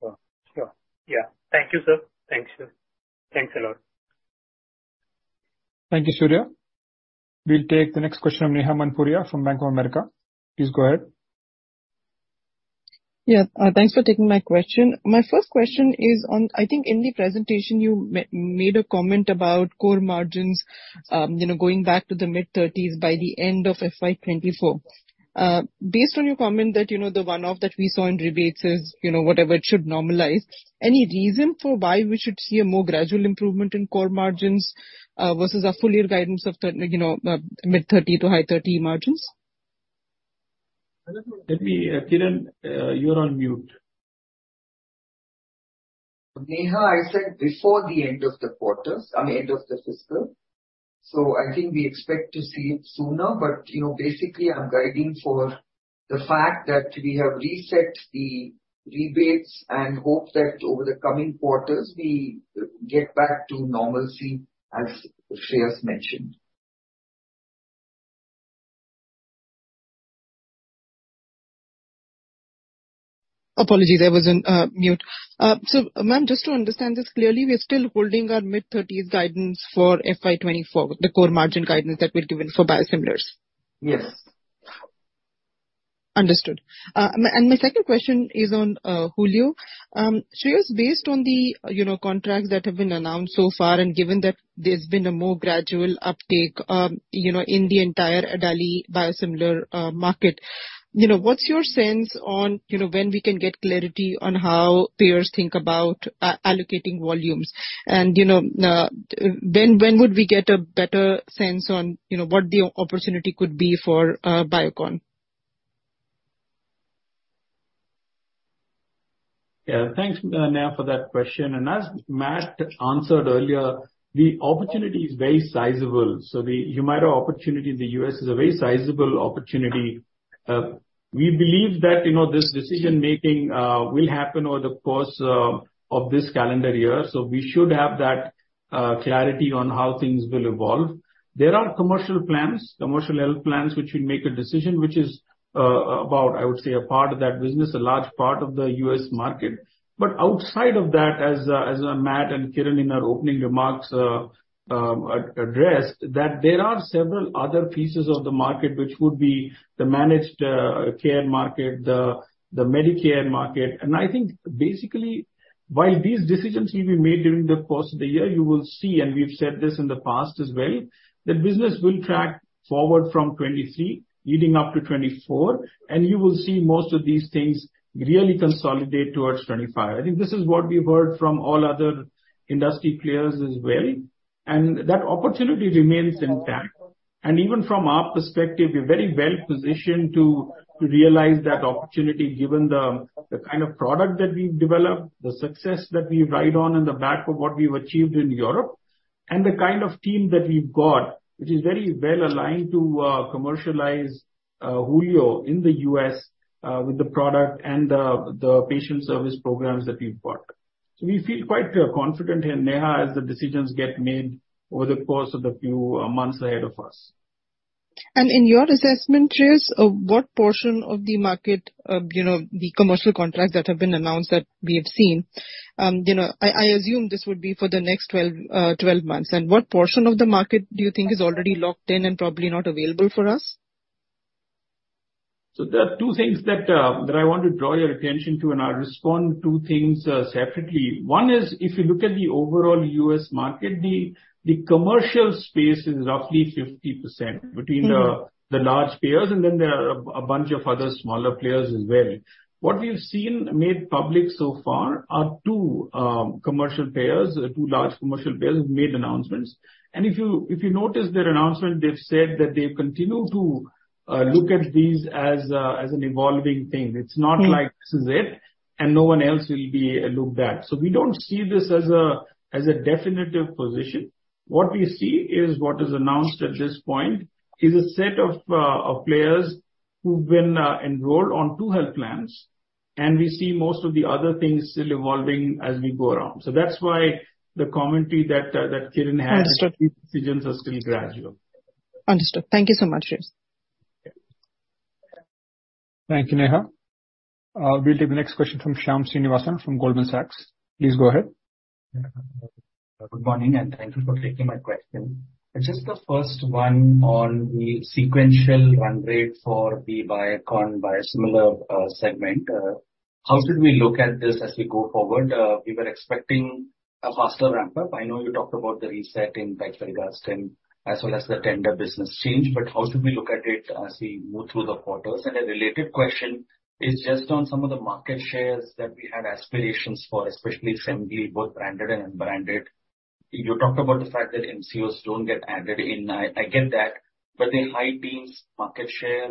Sure. Yeah. Thank you, sir. Thanks, sir. Thanks a lot. Thank you, Surya. We'll take the next question from Neha Manpuria from Bank of America. Please go ahead. Yeah, thanks for taking my question. My first question is on... I think in the presentation you made a comment about core margins, you know, going back to the mid-30s by the end of FY 2024. Based on your comment that, you know, the one-off that we saw in rebates is, you know, whatever, it should normalize, any reason for why we should see a more gradual improvement in core margins, versus a full year guidance of mid-30 to high 30 margins? Let me, Kiran, you're on mute. Neha, I said before the end of the quarter, end of the fiscal. I think we expect to see it sooner, but, you know, basically, I'm guiding for the fact that we have reset the rebates and hope that over the coming quarters, we get back to normalcy, as Shreehas mentioned. Apologies, I was in, mute. ma'am, just to understand this clearly, we're still holding our mid-thirties guidance for FY 2024, the core margin guidance that we've given for biosimilars? Yes. Understood. My second question is on Hulio. Shreehas, based on the, you know, contracts that have been announced so far, and given that there's been a more gradual uptake, you know, in the entire Adali biosimilar market, you know, what's your sense on, you know, when we can get clarity on how peers think about allocating volumes? You know, when, when would we get a better sense on, you know, what the opportunity could be for Biocon? Yeah. Thanks, Neha, for that question. As Matt answered earlier, the opportunity is very sizable. The Humira opportunity in the U.S. is a very sizable opportunity. We believe that, you know, this decision-making will happen over the course of this calendar year, so we should have that clarity on how things will evolve. There are commercial plans, commercial health plans, which will make a decision, which is about, I would say, a part of that business, a large part of the U.S. market. Outside of that, as, as, Matt and Kiran in our opening remarks, addressed, that there are several other pieces of the market which would be the managed care market, the, the Medicare market. I think basically, while these decisions will be made during the course of the year, you will see, and we've said this in the past as well, that business will track forward from 2023, leading up to 2024, and you will see most of these things really consolidate towards 2025. I think this is what we've heard from all other industry players as well, and that opportunity remains intact. Even from our perspective, we're very well positioned to, to realize that opportunity, given the, the kind of product that we've developed, the success that we ride on in the back of what we've achieved in Europe, and the kind of team that we've got, which is very well aligned to commercialize Hulio in the US, with the product and the, the patient service programs that we've got. We feel quite confident here, Neha, as the decisions get made over the course of the few months ahead of us. In your assessment, Shreehas, what portion of the market, you know, the commercial contracts that have been announced that we have seen, you know, I, I assume this would be for the next 12, 12 months. What portion of the market do you think is already locked in and probably not available for us? There are two things that I want to draw your attention to, and I'll respond two things separately. One is, if you look at the overall US market, the commercial space is roughly 50%- between the, the large players, and then there are a, a bunch of other smaller players as well. What we've seen made public so far are two, commercial players, two large commercial players who've made announcements. If you, if you notice their announcement, they've said that they continue to, look at these as, as an evolving thing. It's not like this is it, and no one else will be, looked at. We don't see this as a, as a definitive position. What we see is what is announced at this point, is a set of, of players who've been, enrolled on two health plans, and we see most of the other things still evolving as we go around. That's why the commentary that, that Kiran had. Understood. decisions are still gradual. Understood. Thank you so much, Shreehas. Thank you, Neha. We'll take the next question from Shyam Srinivasan from Goldman Sachs. Please go ahead. Good morning, thank you for taking my question. Just the first one on the sequential run rate for the Biocon biosimilar segment, how should we look at this as we go forward? We were expecting a faster ramp-up. I know you talked about the reset in pegfilgrastim, as well as the tender business change, but how should we look at it as we move through the quarters? A related question is just on some of the market shares that we had aspirations for, especially Semglee, both branded and unbranded. You talked about the fact that MCOs don't get added in, I get that, but the high teens market share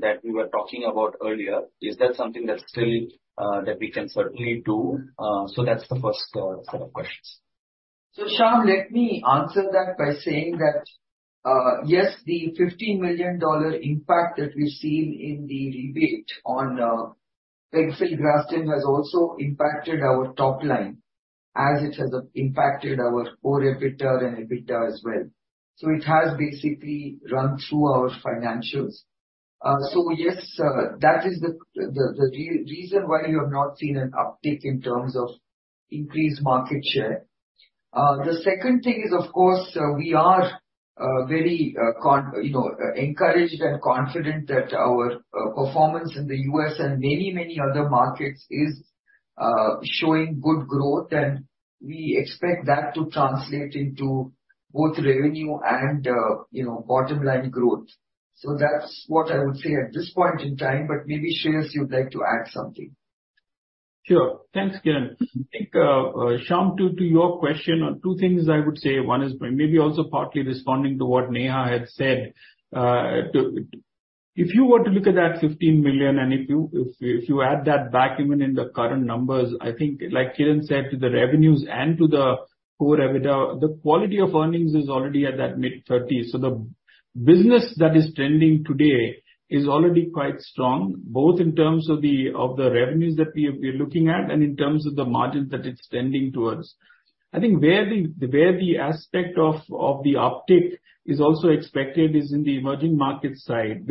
that we were talking about earlier, is that something that's still that we can certainly do? That's the first set of questions. Shyam, let me answer that by saying that, yes, the $50 million impact that we've seen in the rebate on Pegfilgrastim has also impacted our top line, as it has impacted our core EBITDA and EBITDA as well. It has basically run through our financials. Yes, that is the reason why you have not seen an uptick in terms of increased market share. The second thing is, of course, we are very, you know, encouraged and confident that our performance in the US and many, many other markets is showing good growth, and we expect that to translate into both revenue and, you know, bottom-line growth. That's what I would say at this point in time, but maybe, Shreehas, you'd like to add something? Sure. Thanks, Kiran. I think, Shyam, to your question, two things I would say, one is, maybe also partly responding to what Neha had said, if you were to look at that 15 million, and if you, if, if you add that back even in the current numbers, I think like Kiran said, to the revenues and to the core EBITDA, the quality of earnings is already at that mid-thirties. The business that is trending today is already quite strong, both in terms of the, of the revenues that we, we're looking at, and in terms of the margins that it's trending towards. I think where the, where the aspect of, of the uptick is also expected is in the emerging market side,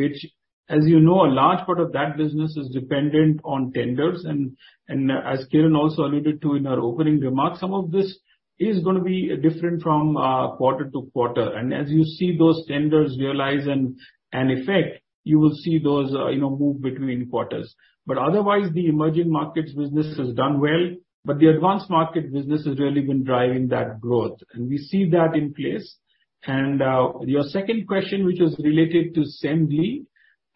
which, as you know, a large part of that business is dependent on tenders, and, and as Kiran also alluded to in our opening remarks, some of this is gonna be different from quarter to quarter. As you see those tenders realize and, and effect, you will see those, you know, move between quarters. Otherwise, the emerging markets business has done well, but the advanced market business has really been driving that growth, and we see that in place. Your second question, which was related to Semglee,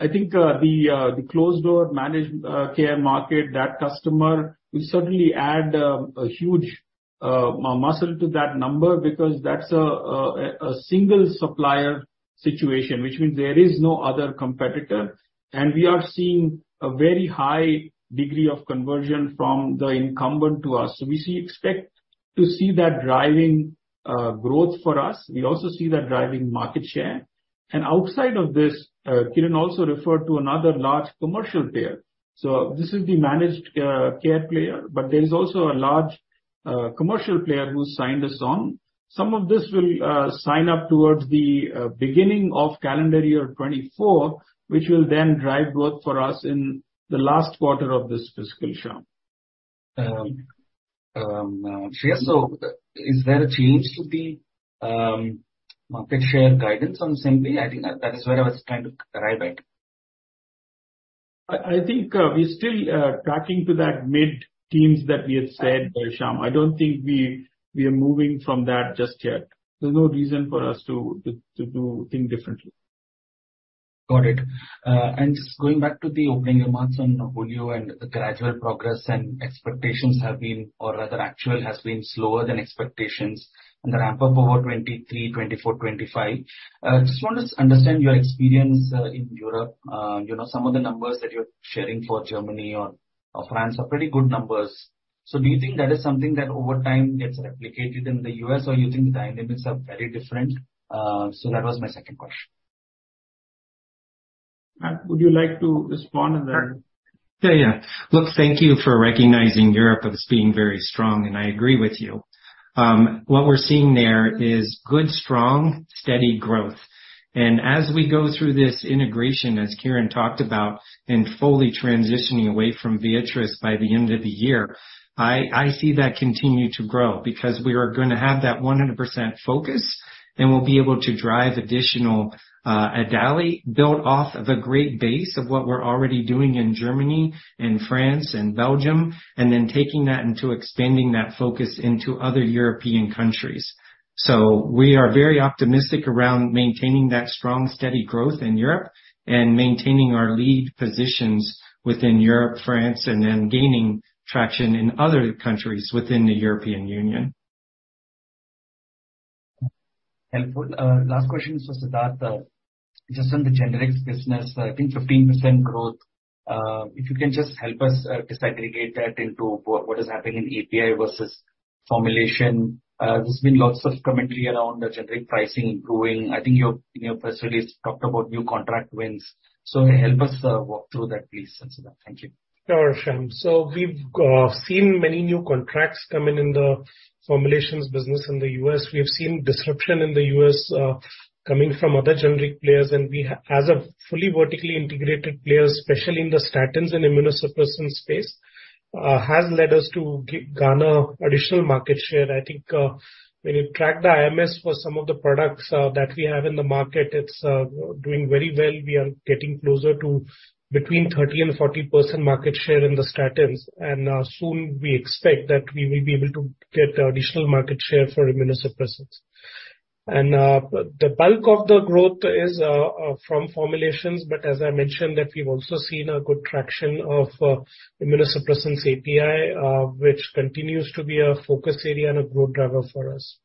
I think the closed-door managed care market, that customer, we certainly add a huge muscle to that number, because that's a single supplier situation, which means there is no other competitor. We are seeing a very high degree of conversion from the incumbent to us, so we expect to see that driving growth for us. We also see that driving market share. Outside of this, Kiran also referred to another large commercial player. This is the managed care player, but there is also a large commercial player who signed us on. Some of this will sign up towards the beginning of calendar year 2024, which will then drive growth for us in the last quarter of this fiscal, Shyam. Sure. Is there a change to the market share guidance on Semglee? I think that is where I was trying to arrive at. I think, we're still tracking to that mid-teens that we had said, Shyam. I don't think we are moving from that just yet. There's no reason for us to do things differently. Got it. Just going back to the opening remarks on Novo Nordisk and the gradual progress and expectations have been, or rather, actual has been slower than expectations in the ramp-up over 2023, 2024, 2025. Just want to understand your experience in Europe. You know, some of the numbers that you're sharing for Germany or, or France are pretty good numbers. Do you think that is something that over time gets replicated in the US, or you think the dynamics are very different? That was my second question. Matt, would you like to respond, and then- Yeah, yeah. Look, thank you for recognizing Europe as being very strong, and I agree with you. What we're seeing there is good, strong, steady growth. As we go through this integration, as Kiran talked about, and fully transitioning away from Viatris by the end of the year, I, I see that continue to grow. We are gonna have that 100% focus, and we'll be able to drive additional, Adali build off of a great base of what we're already doing in Germany and France and Belgium, and then taking that into expanding that focus into other European countries. We are very optimistic around maintaining that strong, steady growth in Europe and maintaining our lead positions within Europe, France, and then gaining traction in other countries within the European Union. Helpful. Last question is for Siddhartha. Just on the generics business, I think 15% growth, if you can just help us disaggregate that into what, what is happening in API versus formulation. There's been lots of commentary around the generic pricing improving. I think you, in your press release, talked about new contract wins. Help us walk through that, please, Siddhartha. Thank you. Sure, Shyam. We've seen many new contracts come in in the formulations business in the US. We have seen disruption in the US coming from other generic players. As a fully vertically integrated player, especially in the statins and immunosuppressant space, has led us to garner additional market share. I think, when you track the IMS for some of the products that we have in the market, it's doing very well. We are getting closer to between 30% and 40% market share in the statins. Soon we expect that we will be able to get additional market share for immunosuppressants. The bulk of the growth is from formulations, but as I mentioned, that we've also seen a good traction of immunosuppressants API, which continues to be a focus area and a growth driver for us.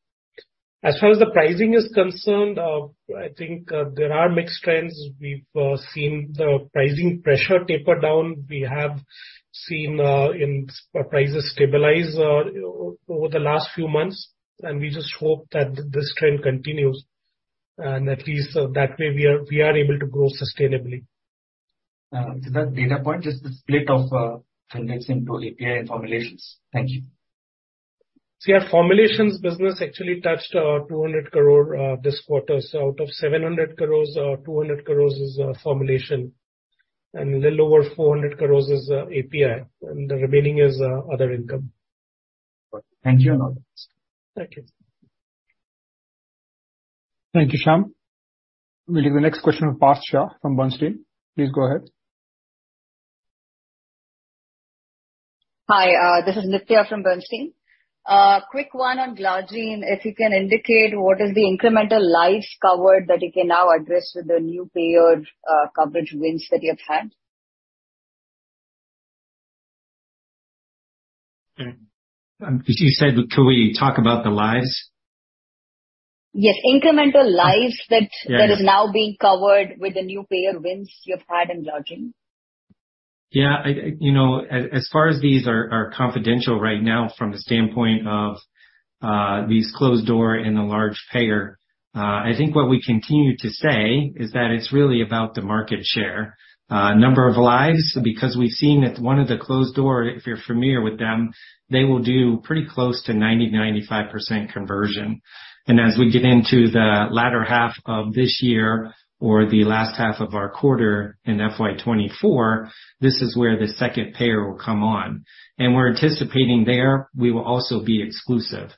As far as the pricing is concerned, I think there are mixed trends. We've seen the pricing pressure taper down. We have seen in, prices stabilize over the last few months, and we just hope that this trend continues, and at least that way, we are, we are able to grow sustainably. Siddhartha, data point, just the split of generics into API and formulations. Thank you. Yeah, formulations business actually touched 200 crore this quarter. Out of 700 crore, 200 crore is formulation, and a little over 400 crore is API, and the remaining is other income. Thank you, and all the best. Thank you. Thank you, Shyam. We'll get the next question from Parsa Shah from Bernstein. Please go ahead. Hi, this is Nitya from Bernstein. Quick one on glargine, if you can indicate what is the incremental lives covered that you can now address with the new payer, coverage wins that you've had? Okay. As you said, could we talk about the lives? Yes, incremental lives. Yes. that is now being covered with the new payer wins you've had in lodging. Yeah, I, I... You know, as, as far as these are, are confidential right now from the standpoint of these closed door and the large payer, I think what we continue to say is that it's really about the market share. Number of lives, because we've seen that one of the closed door, if you're familiar with them, they will do pretty close to 90%, 95% conversion. As we get into the latter half of this year or the last half of our quarter in FY 2024, this is where the second payer will come on. We're anticipating there, we will also be exclusive.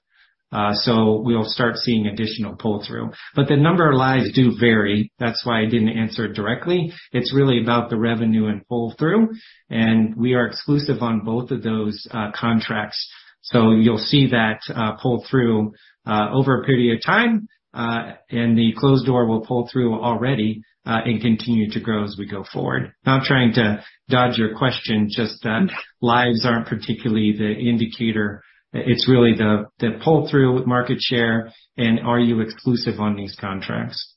We'll start seeing additional pull-through. The number of lives do vary, that's why I didn't answer it directly. It's really about the revenue and pull-through, and we are exclusive on both of those contracts. You'll see that pull through over a period of time, and the closed door will pull through already, and continue to grow as we go forward. Not trying to dodge your question, just that lives aren't particularly the indicator. It's really the pull-through with market share, and are you exclusive on these contracts?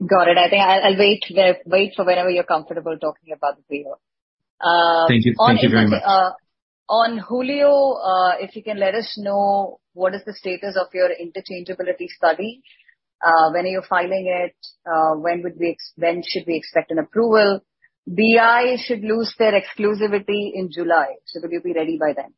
Got it. I think I'll, I'll wait, wait for whenever you're comfortable talking about the payer. Thank you. Thank you very much. On Hulio, if you can let us know what is the status of your interchangeability study, when are you filing it, when should we expect an approval? BI should lose their exclusivity in July, so will you be ready by then?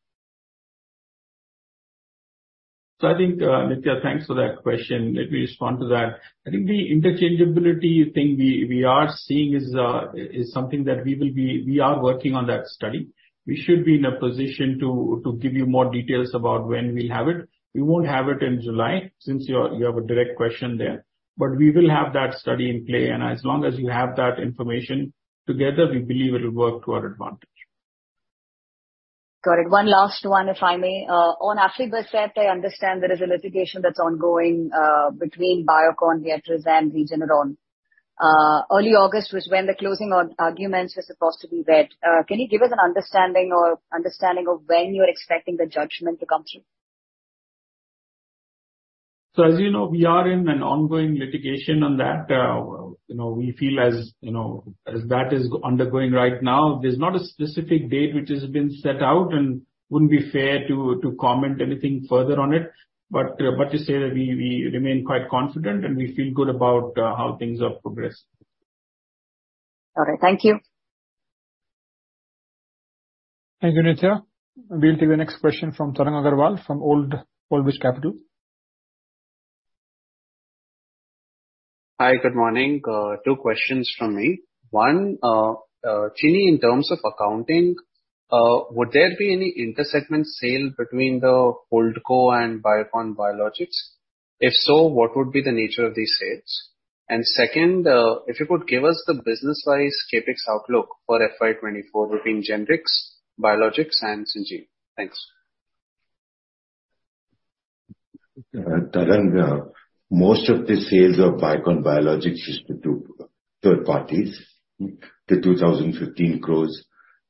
I think, Nitya, thanks for that question. Let me respond to that. I think the interchangeability thing we, we are seeing is, is something that we will be. We are working on that study. We should be in a position to, to give you more details about when we'll have it. We won't have it in July, since you have a direct question there, but we will have that study in play, and as long as you have that information together, we believe it will work to our advantage. Got it. One last one, if I may. On aflibercept, I understand there is a litigation that's ongoing between Biocon, Viatris, and Regeneron. Early August was when the closing arguments were supposed to be read. Can you give us an understanding of when you're expecting the judgment to come through? As you know, we are in an ongoing litigation on that. you know, we feel as, you know, as that is undergoing right now, there's not a specific date which has been set out, and wouldn't be fair to, to comment anything further on it, but, but to say that we, we remain quite confident and we feel good about, how things have progressed. Okay. Thank you. Thank you, Nitya. We'll take the next question from Tarang Agrawal from Old Bridge Capital. Hi, good morning. two questions from me. One, Chini, in terms of accounting, would there be any inter-segment sale between the Holdco and Biocon Biologics? If so, what would be the nature of these sales? Second, if you could give us the business-wise CapEx outlook for FY 2024 between generics, biologics, and Syngene. Thanks. Tarang, most of the sales of Biocon Biologics is to third parties. Mm-hmm. 2,015 crore,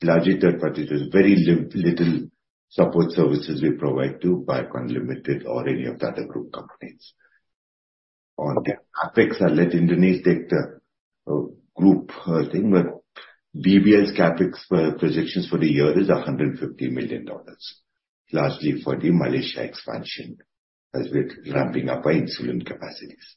largely third parties, with very little support services we provide to Biocon Limited or any of the other group companies. On the CapEx, I'll let Indranil take the group thing. BBL's CapEx projections for the year is $150 million, largely for the Malaysia expansion, as we're ramping up our insulin capacities.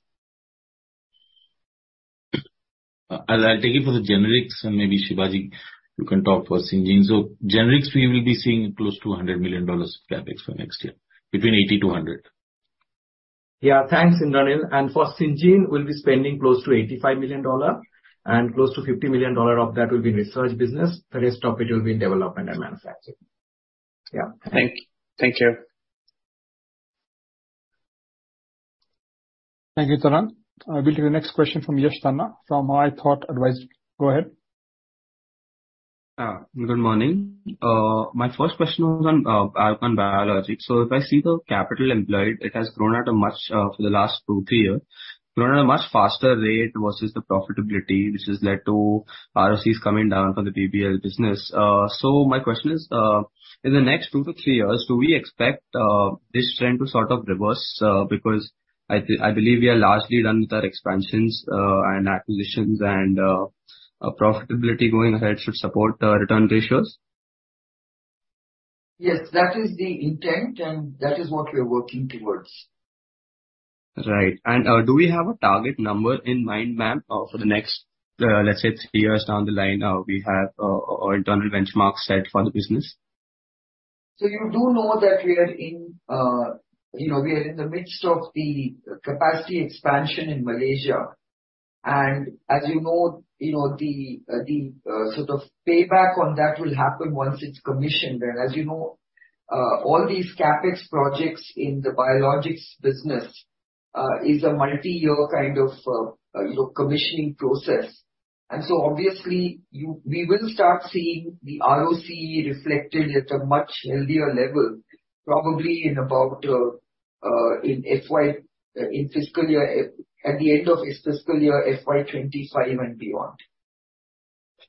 I'll, I'll take it for the generics, and maybe Sibaji, you can talk for Syngene. Generics, we will be seeing close to $100 million CapEx for next year, between $80 million-$100 million. Yeah. Thanks, Indranil. For Syngene, we'll be spending close to $85 million, and close to $50 million of that will be research business. The rest of it will be in development and manufacturing. Yeah. Thank you. Thank you, Tarang. We'll take the next question from Yash Tanna, from iThought Advisory. Go ahead. Good morning. My first question was on biologics. If I see the capital employed, it has grown at a much, for the last two, three years, grown at a much faster rate versus the profitability, which has led to RFCs coming down for the BBL business. My question is, in the next two to three years, do we expect this trend to sort of reverse? Because I, I believe we are largely done with our expansions, and acquisitions, and profitability going ahead should support return ratios. Yes, that is the intent, and that is what we are working towards. Right. Do we have a target number in mind, ma'am, for the next, let's say, 3 years down the line, we have our internal benchmark set for the business? You do know that we are in, you know, we are in the midst of the capacity expansion in Malaysia. As you know, you know, the, the, sort of payback on that will happen once it's commissioned. As you know, all these CapEx projects in the biologics business, is a multi-year kind of, you know, commissioning process. Obviously, we will start seeing the ROC reflected at a much healthier level, probably in about.... in FY, in fiscal year, at the end of this fiscal year, FY 25 and beyond.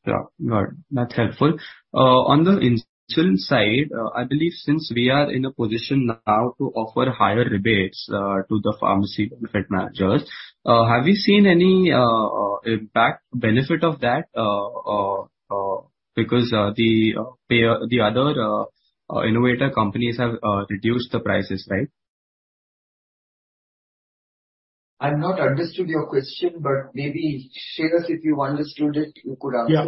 Yeah. Got it. That's helpful. On the insulin side, I believe since we are in a position now to offer higher rebates to the pharmacy benefit managers, have you seen any impact, benefit of that? Because the payer, the other innovator companies have reduced the prices, right? I've not understood your question, but maybe, Sheila, if you understood it, you could answer. Yeah.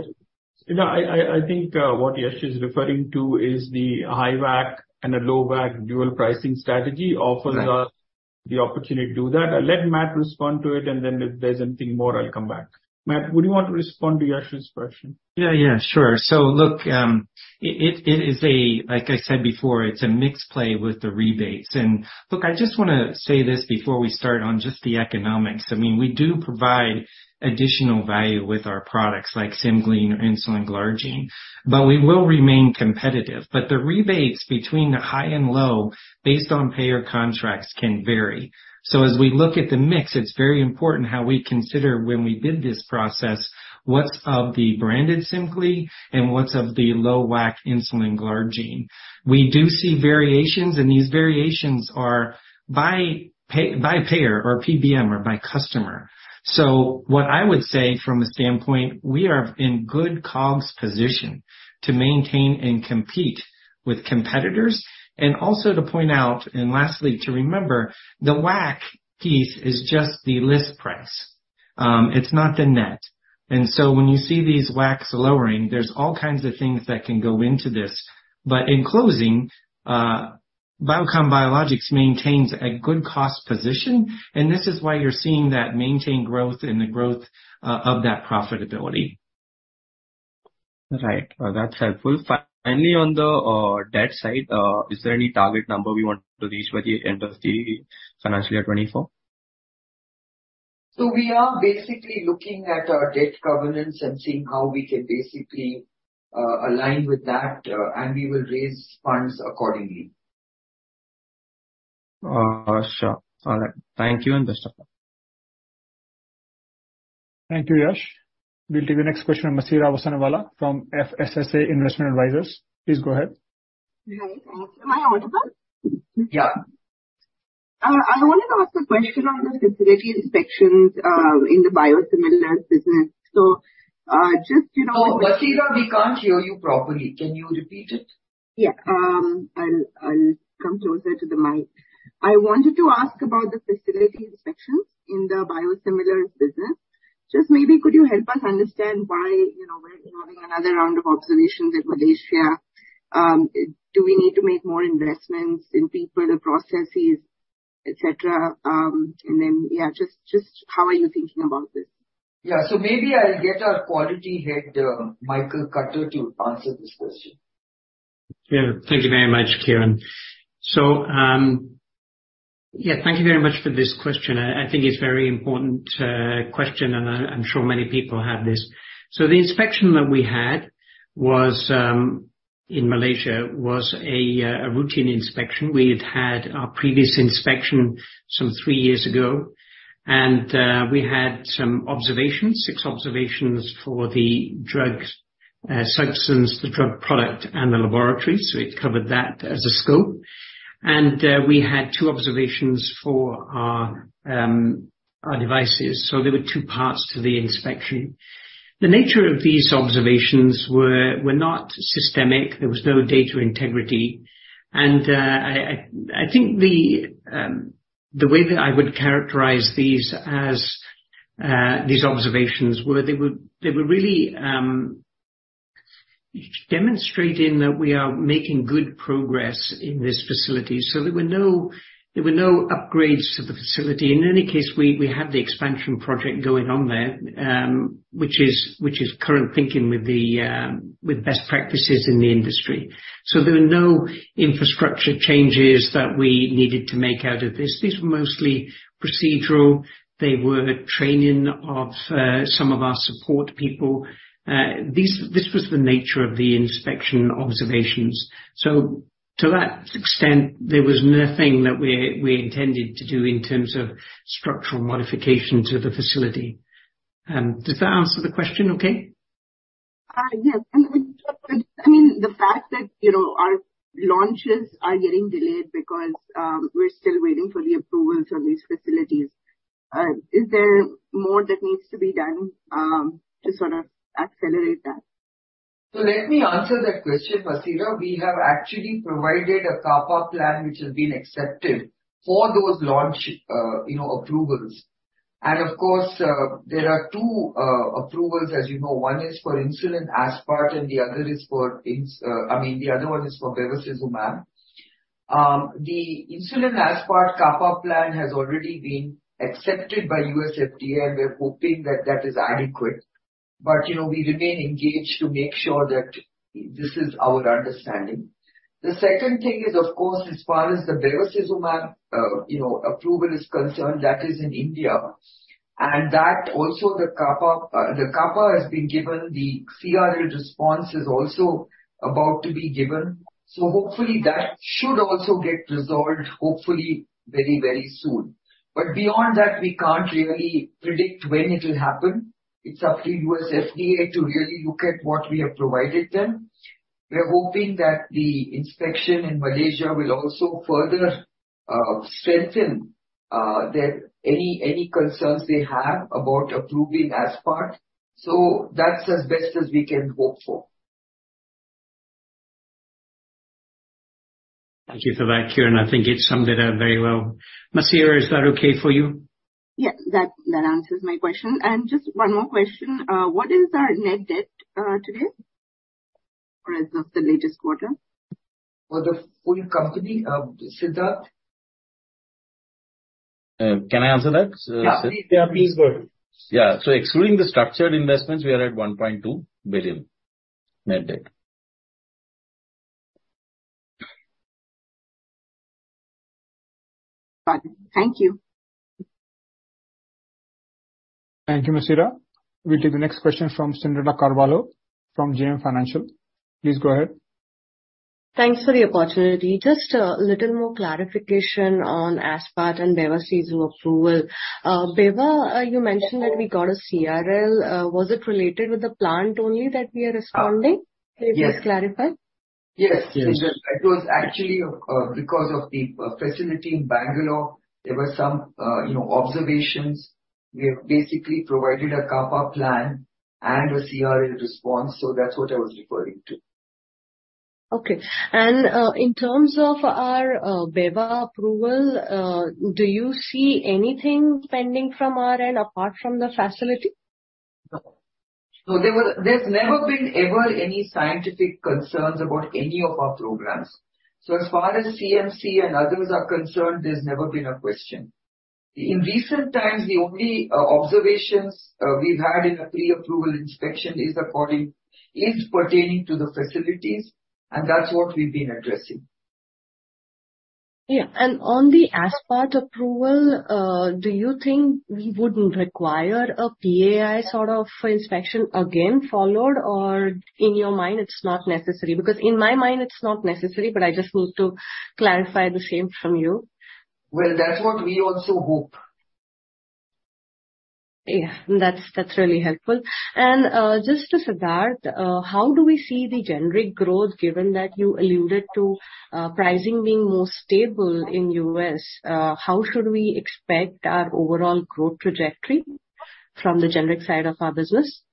You know, I, I, I think, what Yash is referring to is the high WAC and the low WAC dual pricing strategy. Right. offers us the opportunity to do that. I'll let Matt respond to it, and then if there's anything more, I'll come back. Matt, would you want to respond to Yash's question? Yeah, yeah, sure. Look, like I said before, it's a mixed play with the rebates. Look, I just wanna say this before we start on just the economics. I mean, we do provide additional value with our products, like Semglee or insulin glargine, but we will remain competitive. The rebates between the high and low, based on payer contracts, can vary. As we look at the mix, it's very important how we consider when we bid this process, what's of the branded Semglee and what's of the low WAC insulin glargine. We do see variations, and these variations are by pay, by payer, or PBM, or by customer. What I would say from a standpoint, we are in good COGS position to maintain and compete with competitors. Also to point out, and lastly to remember, the WAC piece is just the list price, it's not the net. When you see these WACs lowering, there's all kinds of things that can go into this. In closing, Biocon Biologics maintains a good cost position, and this is why you're seeing that maintained growth and the growth, of that profitability. Right. That's helpful. Finally, on the debt side, is there any target number we want to reach by the end of the financial year 2024? We are basically looking at our debt covenants and seeing how we can basically align with that, and we will raise funds accordingly. Sure. All right. Thank you, and best of luck. Thank you, Yash. We'll take the next question, Vaseela Vasanamala from FSSA Investment Managers. Please go ahead. Hi, thanks. Am I on, sir? Yeah. I wanted to ask a question on the facility inspections, in the biosimilars business. Just, you know- Oh, Vaseela, we can't hear you properly. Can you repeat it? Yeah, I'll come closer to the mic. I wanted to ask about the facility inspections in the biosimilars business. Just maybe could you help us understand why, you know, we're having another round of observations in Malaysia? Do we need to make more investments in people, the processes, et cetera? Then, yeah, just how are you thinking about this? Yeah. Maybe I'll get our quality head, Michael Cutter to answer this question. Yeah. Thank you very much, Kiran. Yeah, thank you very much for this question. I, I think it's a very important question, and I, I'm sure many people have this. The inspection that we had was in Malaysia, was a routine inspection. We've had our previous inspection some three years ago, and we had some observations, six observations for the drug substance, the drug product, and the laboratory, so it covered that as a scope. We had two observations for our devices, so there were two parts to the inspection. The nature of these observations were not systemic. There was no data integrity. I think the way that I would characterize these as these observations were, they were really demonstrating that we are making good progress in this facility, so there were no upgrades to the facility. In any case, we had the expansion project going on there, which is current thinking with the best practices in the industry. There were no infrastructure changes that we needed to make out of this. These were mostly procedural. They were training of some of our support people. This was the nature of the inspection observations. To that extent, there was nothing that we intended to do in terms of structural modification to the facility. Does that answer the question okay? Yes. I mean, the fact that, you know, our launches are getting delayed because, we're still waiting for the approvals of these facilities, is there more that needs to be done, to sort of accelerate that? Let me answer that question, Vaseela. We have actually provided a CAPA plan, which has been accepted for those launch, you know, approvals. Of course, there are two approvals, as you know. One is for insulin aspart, and the other is for, I mean, the other one is for bevacizumab. The insulin aspart CAPA plan has already been accepted by USFDA, and we're hoping that that is adequate. You know, we remain engaged to make sure that this is our understanding. The second thing is, of course, as far as the bevacizumab, you know, approval is concerned, that is in India, and that also the CAPA, the CAPA has been given, the CRL response is also about to be given, hopefully that should also get resolved, hopefully very, very soon. Beyond that, we can't really predict when it will happen. It's up to US FDA to really look at what we have provided them. We're hoping that the inspection in Malaysia will also further strengthen their, any, any concerns they have about approving Aspart. That's as best as we can hope for. Thank you for that, Kiran. I think it summed it up very well. Masira, is that okay for you? Yeah, that, that answers my question. Just one more question. What is our net debt today, or as of the latest quarter? For the full company, Siddharth? Can I answer that, Sid? Yeah, yeah, please go ahead. Yeah. Excluding the structured investments, we are at $1.2 billion net debt. Got it. Thank you. Thank you, Masira. We'll take the next question from Cyndrella Carvalho from JM Financial. Please go ahead. Thanks for the opportunity. Just a little more clarification on Aspart and Bevacizumab approval. Beva, you mentioned that we got a CRL. Was it related with the plant only that we are responding? Yes. Can you please clarify? Yes. It was actually because of the facility in Bangalore. There were some, you know, observations. We have basically provided a CAPA plan and a CRL response. That's what I was referring to. Okay. In terms of our Beva approval, do you see anything pending from our end apart from the facility? No. There's never been ever any scientific concerns about any of our programs. As far as CMC and others are concerned, there's never been a question. In recent times, the only observations we've had in a pre-approval inspection is pertaining to the facilities, and that's what we've been addressing. Yeah. On the aspart approval, do you think we would require a PAI sort of inspection again followed, or in your mind it's not necessary? In my mind it's not necessary, but I just need to clarify the same from you. Well, that's what we also hope. Yeah, that's, that's really helpful. Just to Siddharth, how do we see the generic growth, given that you alluded to, pricing being more stable in U.S.? How should we expect our overall growth trajectory from the generic side of our business?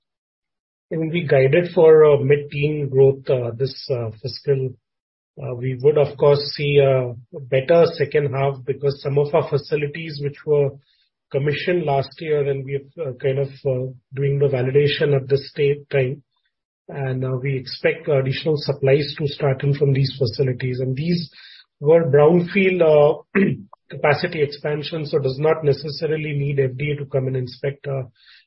We'll be guided for mid-teen growth this fiscal. We would, of course, see a better second half because some of our facilities which were commissioned last year, and we are kind of doing the validation at this state time. We expect additional supplies to start in from these facilities. These were brownfield capacity expansion, so does not necessarily need FDA to come and inspect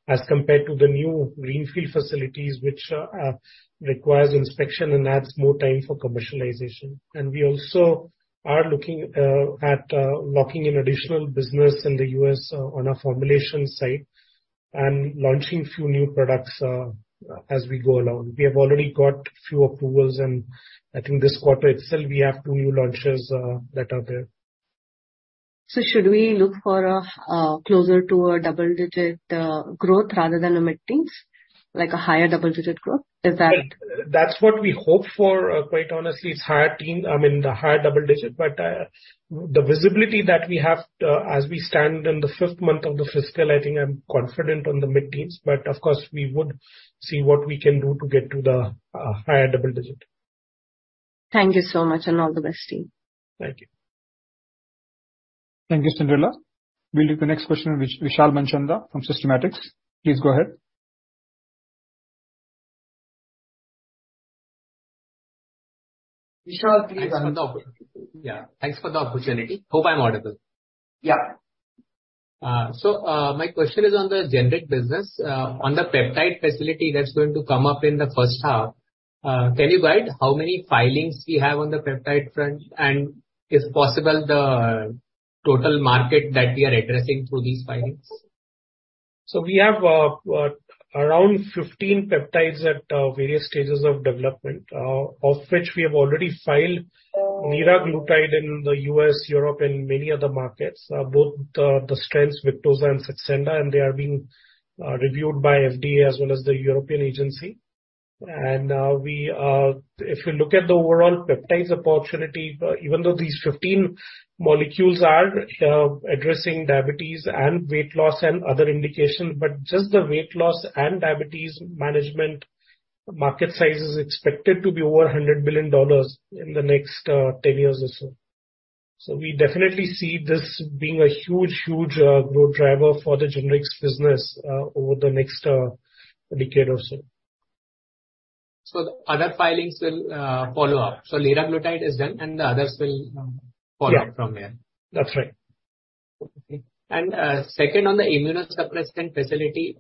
as compared to the new greenfield facilities, which requires inspection and adds more time for commercialization. We also are looking at locking in additional business in the US on our formulation side, and launching few new products as we go along. We have already got few approvals, and I think this quarter itself, we have two new launches that are there. should we look for a closer to a double-digit growth rather than a mid-teens, like a higher double-digit growth? Is that- That's what we hope for, quite honestly, it's higher teens, I mean, the higher double-digit. The visibility that we have, as we stand in the fifth month of the fiscal, I think I'm confident on the mid-teens, but of course, we would see what we can do to get to the higher double-digit. Thank you so much, and all the best, team. Thank you. Thank you, Cyndrella Carvalho. We'll take the next question, which Vishal Manchanda from Systematix. Please go ahead. Vishal, please go ahead. Yeah, thanks for the opportunity. Hope I'm audible. Yeah. My question is on the generic business. On the peptide facility that's going to come up in the first half, can you guide how many filings you have on the peptide front? And if possible, the total market that we are addressing through these filings? We have around 15 peptides at various stages of development, of which we have already filed liraglutide in the U.S., Europe, and many other markets, both the, the strengths, Victoza and Saxenda, and they are being reviewed by FDA as well as the European Agency. We, if you look at the overall peptides opportunity, even though these 15 molecules are addressing diabetes and weight loss and other indications, but just the weight loss and diabetes management market size is expected to be over $100 billion in the next 10 years or so. We definitely see this being a huge, huge growth driver for the generics business over the next decade or so. The other filings will follow up. Liraglutide is done, and the others will follow up from there. Yeah, that's right. Okay. Second on the immunosuppressant facility,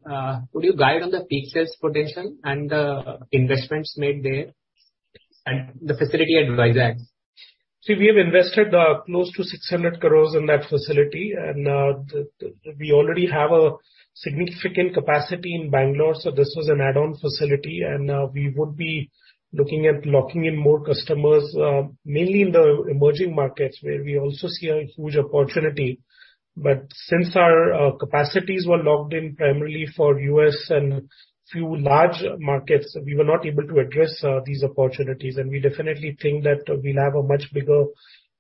could you guide on the peak sales potential and the investments made there, and the facility at Vizag? We have invested, close to 600 crore in that facility, and, we already have a significant capacity in Bangalore, so this was an add-on facility. We would be looking at locking in more customers, mainly in the emerging markets, where we also see a huge opportunity. Since our, capacities were locked in primarily for U.S. and few large markets, we were not able to address, these opportunities. We definitely think that we'll have a much bigger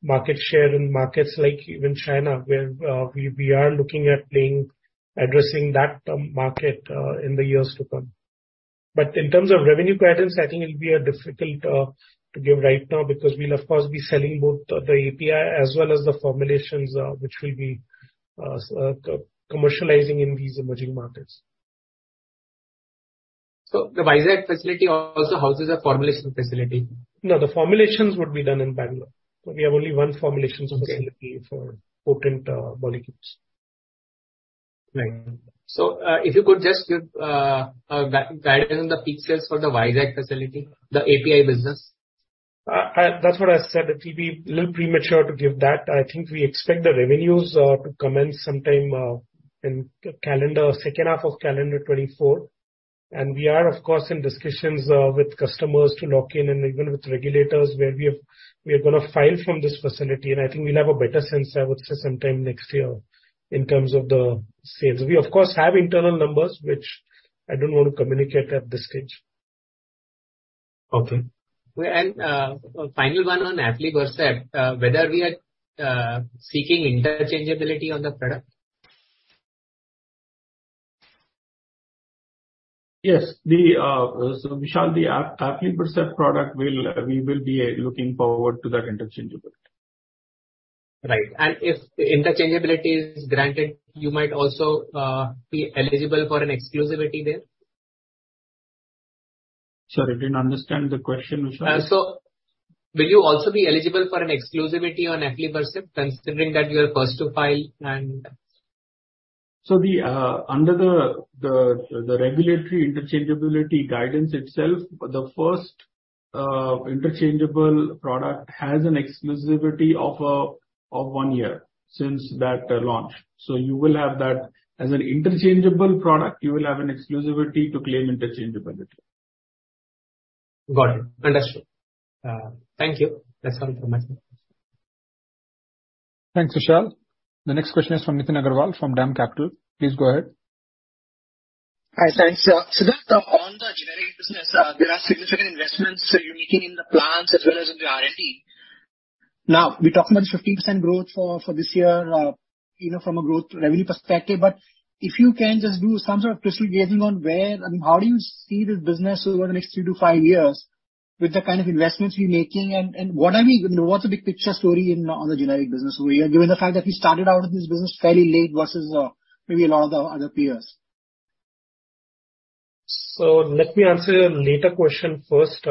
market share in markets like even China, where, we, we are looking at playing, addressing that, market, in the years to come. In terms of revenue guidance, I think it'll be difficult to give right now, because we'll of course, be selling both the API as well as the formulations, which we'll be co- commercializing in these emerging markets. The Vizag facility also houses a formulation facility? No, the formulations would be done in Bangalore. We have only one formulation facility. Okay. -for potent, molecules. Right. if you could just give guidance on the peak sales for the Vizag facility, the API business. That's what I said, it'll be a little premature to give that. I think we expect the revenues to commence sometime in calendar second half of calendar 2024. We are, of course, in discussions with customers to lock in, and even with regulators, where we are gonna file from this facility. I think we'll have a better sense, I would say, sometime next year in terms of the sales. We of course have internal numbers, which I don't want to communicate at this stage. Okay. Final one on aflibercept, whether we are seeking interchangeability on the product? Yes, the, so Vishal, the aflibercept product will, we will be looking forward to that interchangeability. Right. If interchangeability is granted, you might also be eligible for an exclusivity there? Sorry, I didn't understand the question, Vishal. Will you also be eligible for an exclusivity on aflibercept, considering that you are first to file? The, under the, the, the regulatory interchangeability guidance itself, the first interchangeable product has an exclusivity of, of one year since that launch. You will have that. As an interchangeable product, you will have an exclusivity to claim interchangeability. Got it. Understood. Thank you. That's all from my side. Thanks, Vishal. The next question is from Nitin Agarwal, from DAM Capital. Please go ahead. Hi, thanks. Sidharth, on the generic business, there are significant investments you're making in the plants as well as in the R&D. We talked about the 15% growth for, for this year, you know, from a growth revenue perspective, but if you can just do some sort of crystal gazing on where, I mean, how do you see this business over the next three to five years with the kind of investments we're making? What are we... You know, what's the big picture story in, on the generic business over here, given the fact that we started out in this business fairly late versus, maybe a lot of the other peers? Let me answer your later question first,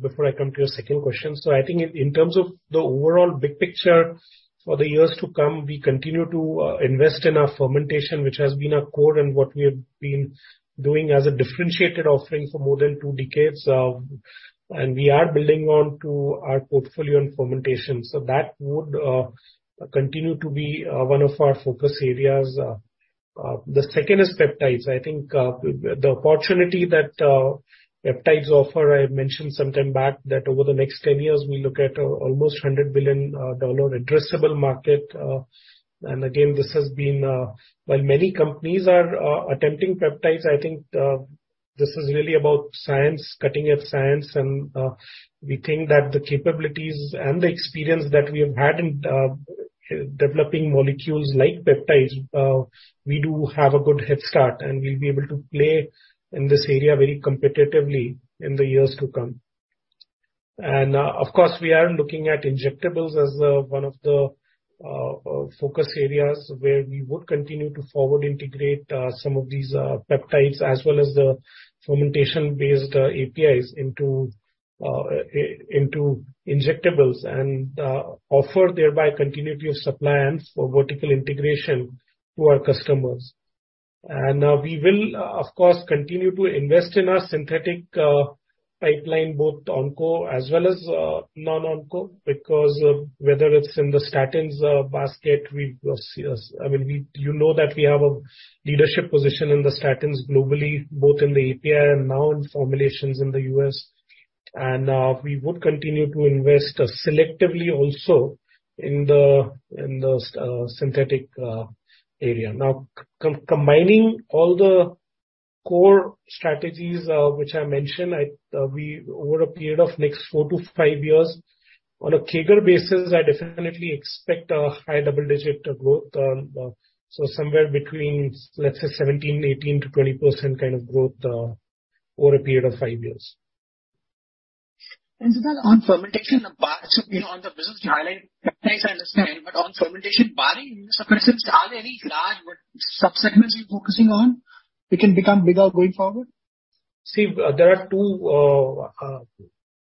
before I come to your second question. I think in, in terms of the overall big picture for the years to come, we continue to invest in our fermentation, which has been a core in what we have been doing as a differentiated offering for more than two decades, and we are building on to our portfolio in fermentation. That would continue to be one of our focus areas. The second is peptides. I think the opportunity that peptides offer, I mentioned sometime back, that over the next 10 years, we look at almost $100 billion addressable market. And again, this has been... While many companies are attempting peptides, I think this is really about science, cutting-edge science, and we think that the capabilities and the experience that we have had in developing molecules like peptides, we do have a good head start, and we'll be able to play in this area very competitively in the years to come. Of course, we are looking at injectables as one of the focus areas, where we would continue to forward integrate some of these peptides, as well as the fermentation-based APIs into injectables, and offer thereby continuity of supply and for vertical integration to our customers. We will, of course, continue to invest in our synthetic pipeline, both onco as well as non-onco, because whether it's in the statins basket, we, yes, I mean, you know that we have a leadership position in the statins globally, both in the API and now in formulations in the U.S. We would continue to invest selectively also in the, in the synthetic area. Now, combining all the core strategies which I mentioned, I, we, over a period of next four to five years, on a CAGR basis, I definitely expect a high double-digit growth, so somewhere between, let's say, 17%-20% kind of growth over a period of five years. On fermentation, you know, on the business highlight, I understand, but on fermentation barring supplements, are there any large sub-segments you're focusing on, which can become bigger going forward? See, there are two,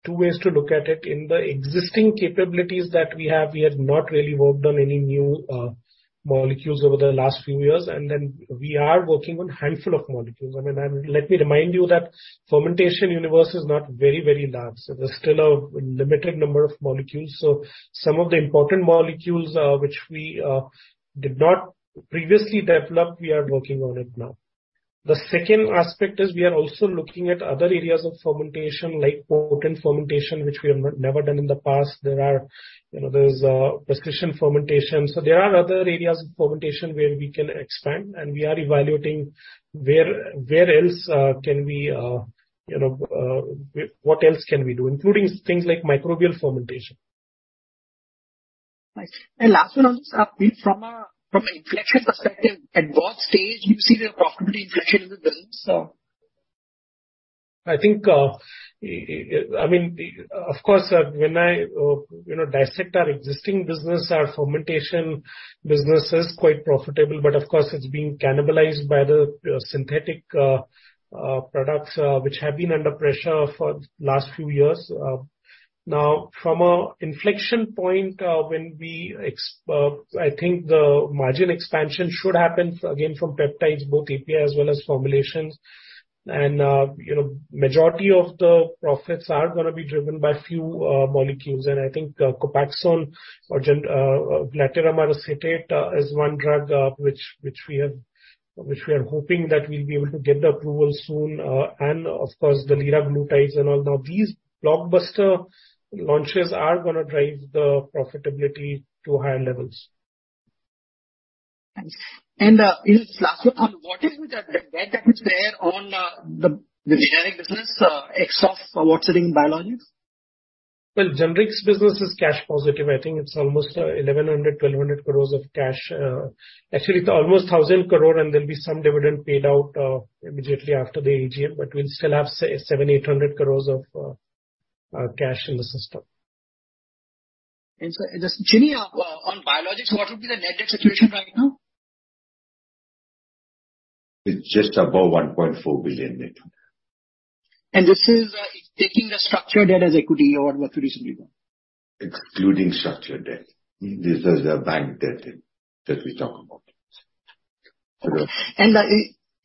two ways to look at it. In the existing capabilities that we have, we have not really worked on any new molecules over the last few years, and then we are working on a handful of molecules. I mean, let me remind you that fermentation universe is not very, very large. There's still a limited number of molecules. Some of the important molecules, which we did not previously develop, we are working on it now. The second aspect is we are also looking at other areas of fermentation, like protein fermentation, which we have never done in the past. There are, you know, there's prescription fermentation. There are other areas of fermentation where we can expand, and we are evaluating where, where else, can we, you know, what else can we do, including things like microbial fermentation. Right. Last one on this, from a, from an inflection perspective, at what stage do you see the profitability inflection in the business? I think, I mean, of course, when I, you know, dissect our existing business, our fermentation business is quite profitable, but of course, it's being cannibalized by the synthetic products, which have been under pressure for the last few years. Now, from a inflection point, when we I think the margin expansion should happen again from peptides, both API as well as formulations. You know, majority of the profits are gonna be driven by few molecules. I think Copaxone or glatiramer acetate is one drug, which we are hoping that we'll be able to get the approval soon. Of course, the liraglutide and all. Now, these blockbuster launches are gonna drive the profitability to higher levels. Thanks. Just last one, on what is the debt that is there on, the, the generic business, ex of what's in biologics? Well, generics business is cash positive. I think it's almost 1,100-1,200 crore of cash. Actually, it's almost 1,000 crore. There'll be some dividend paid out immediately after the AGM. We'll still have 700-800 crore of cash in the system. Just generally, on biologics, what would be the net debt situation right now? It's just above $1.4 billion, Nitin. This is taking the structured debt as equity or what recently done? Excluding structured debt. This is the bank debt that we talk about. Okay.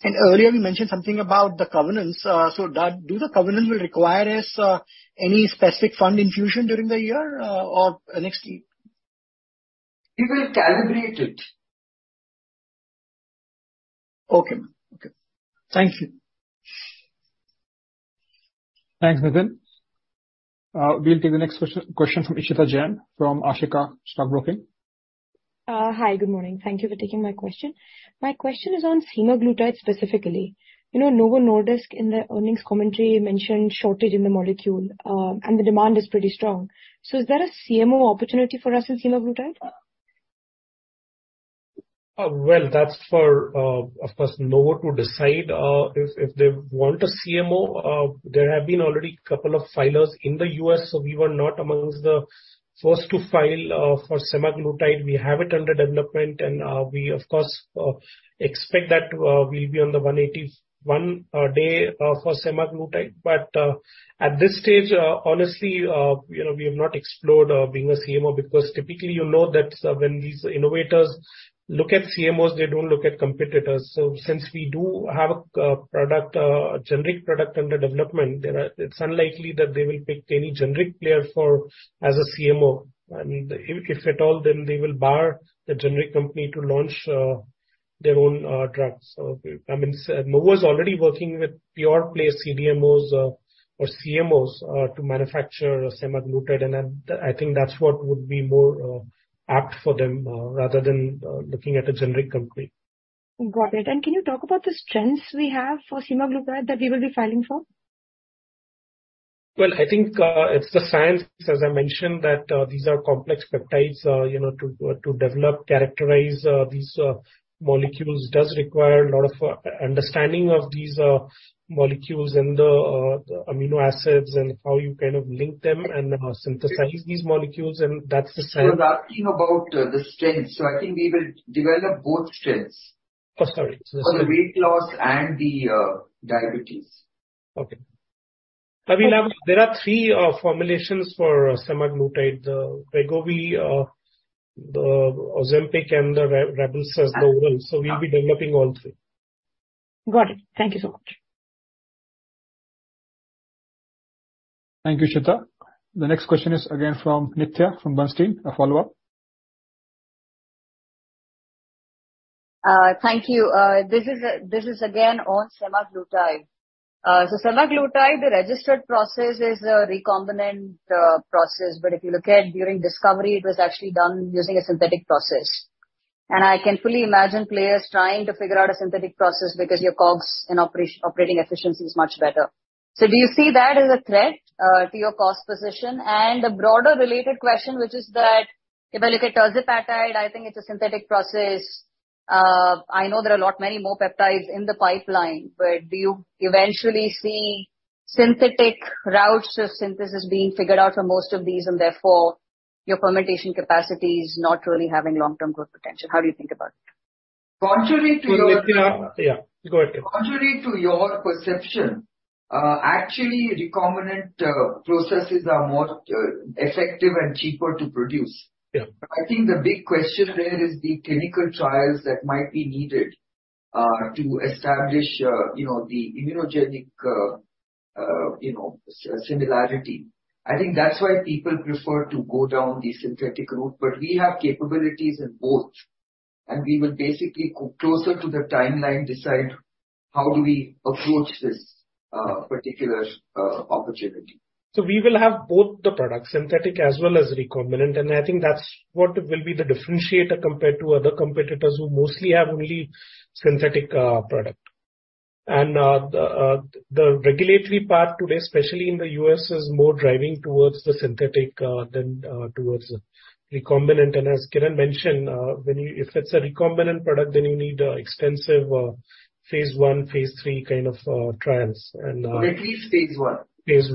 Earlier you mentioned something about the covenants. That, do the covenants will require us, any specific fund infusion during the year, or next year? We will calibrate it. Okay. Okay. Thank you. Thanks, Nitin. We'll take the next question from Ishita Jain from Ashika Stock Broking. Hi, good morning. Thank you for taking my question. My question is on semaglutide, specifically. You know, Novo Nordisk, in their earnings commentary, mentioned shortage in the molecule, and the demand is pretty strong. Is there a CMO opportunity for us in semaglutide? Well, that's for, of course, Novo to decide, if they want a CMO. There have been already a couple of filers in the U.S., so we were not amongst the first to file for semaglutide. We have it under development, we, of course, expect that we'll be on the 181 day for semaglutide. At this stage, honestly, you know, we have not explored being a CMO, because typically you'll know that when these innovators look at CMOs, they don't look at competitors. Since we do have a product, a generic product under development, it's unlikely that they will pick any generic player for... as a CMO. If, if at all, then they will bar the generic company to launch their own drugs. I mean, Novo is already working with pure play CDMOs, or CMOs, to manufacture semaglutide, and I, I think that's what would be more apt for them, rather than looking at a generic company. Got it. Can you talk about the strengths we have for semaglutide that we will be filing for? Well, I think, it's the science, as I mentioned, that these are complex peptides. You know, to develop, characterize, these molecules does require a lot of understanding of these molecules and the amino acids, and how you kind of link them and synthesize these molecules, and that's the science. We're asking about, the strength, so I think we will develop both strengths. Oh, sorry. For the weight loss and the diabetes. Okay. I mean, there are 3 formulations for semaglutide: the Wegovy, the Ozempic, and the Rybelsus Novo, we'll be developing all 3. Got it. Thank you so much. Thank you, Ishita. The next question is again from Nitya, from Bernstein. A follow-up. Thank you. This is again on semaglutide. semaglutide, the registered process is a recombinant process, but if you look at during discovery, it was actually done using a synthetic process. I can fully imagine players trying to figure out a synthetic process because your costs and operating efficiency is much better. Do you see that as a threat to your cost position? A broader related question, which is that if I look at tirzepatide, I think it's a synthetic process. I know there are a lot many more peptides in the pipeline, but do you eventually see synthetic routes of synthesis being figured out for most of these, and therefore your fermentation capacity is not really having long-term growth potential? How do you think about it? Contrary to Yeah, go ahead. Contrary to your perception, actually, recombinant processes are more effective and cheaper to produce. Yeah. I think the big question there is the clinical trials that might be needed, to establish, you know, the immunogenic, you know, similarity. I think that's why people prefer to go down the synthetic route. We have capabilities in both, and we will basically, closer to the timeline, decide how do we approach this particular opportunity. We will have both the products, synthetic as well as recombinant. I think that's what will be the differentiator compared to other competitors who mostly have only synthetic product. The regulatory part today, especially in the U.S., is more driving towards the synthetic than towards the recombinant. As Kiran mentioned, if it's a recombinant product, then you need extensive phase one, phase three kind of trials. At least phase I. Phase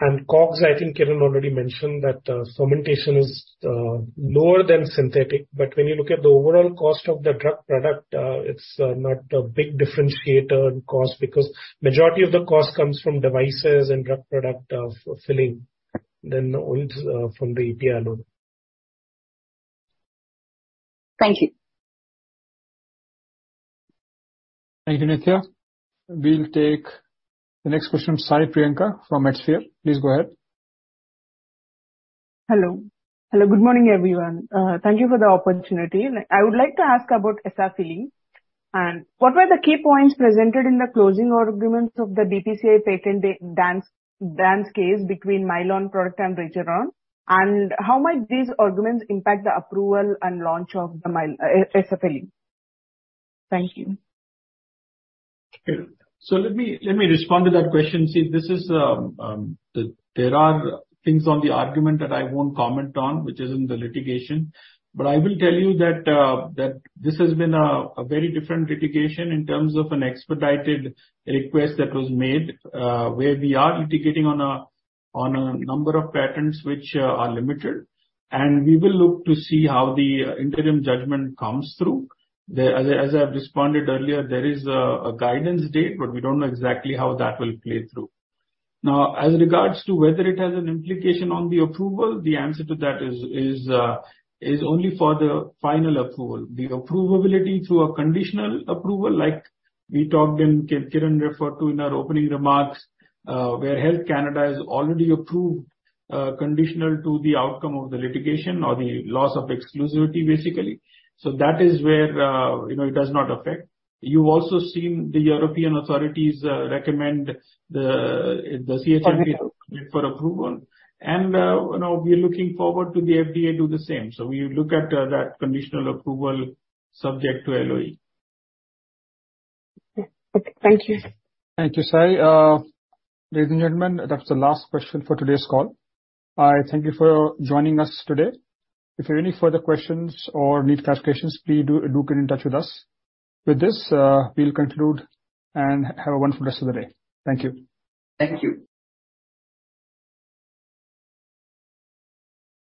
I. COGS, I think Kiran already mentioned that fermentation is lower than synthetic. When you look at the overall cost of the drug product, it's not a big differentiator in cost because majority of the cost comes from devices and drug product filling, then oils from the API load. Thank you. Thank you, Nitya. We'll take the next question from Sai Priyanka from Spheres. Please go ahead. Hello. Hello, good morning, everyone. thank you for the opportunity. I would like to ask about Yesafili. What were the key points presented in the closing arguments of the BPCIA Patent Dance Case between Mylan and Regeneron? How might these arguments impact the approval and launch of the Yesafili? Thank you. Okay. Let me, let me respond to that question. See, this is. There are things on the argument that I won't comment on, which is in the litigation. I will tell you that, that this has been a very different litigation in terms of an expedited request that was made, where we are litigating on a number of patents, which are limited, and we will look to see how the interim judgment comes through. As I've responded earlier, there is a guidance date, but we don't know exactly how that will play through. As regards to whether it has an implication on the approval, the answer to that is only for the final approval. The approvability through a conditional approval, like we talked and Kiran referred to in our opening remarks, where Health Canada has already approved, conditional to the outcome of the litigation or the loss of exclusivity, basically. That is where, you know, it does not affect. You've also seen the European authorities, recommend the, the CHMP. For approval. -for approval, you know, we are looking forward to the FDA do the same. We look at, that conditional approval subject to LOE. Okay. Thank you. Thank you, Sai. ladies and gentlemen, that's the last question for today's call. I thank you for joining us today. If you have any further questions or need clarifications, please do, do get in touch with us. With this, we'll conclude, and have a wonderful rest of the day. Thank you. Thank you.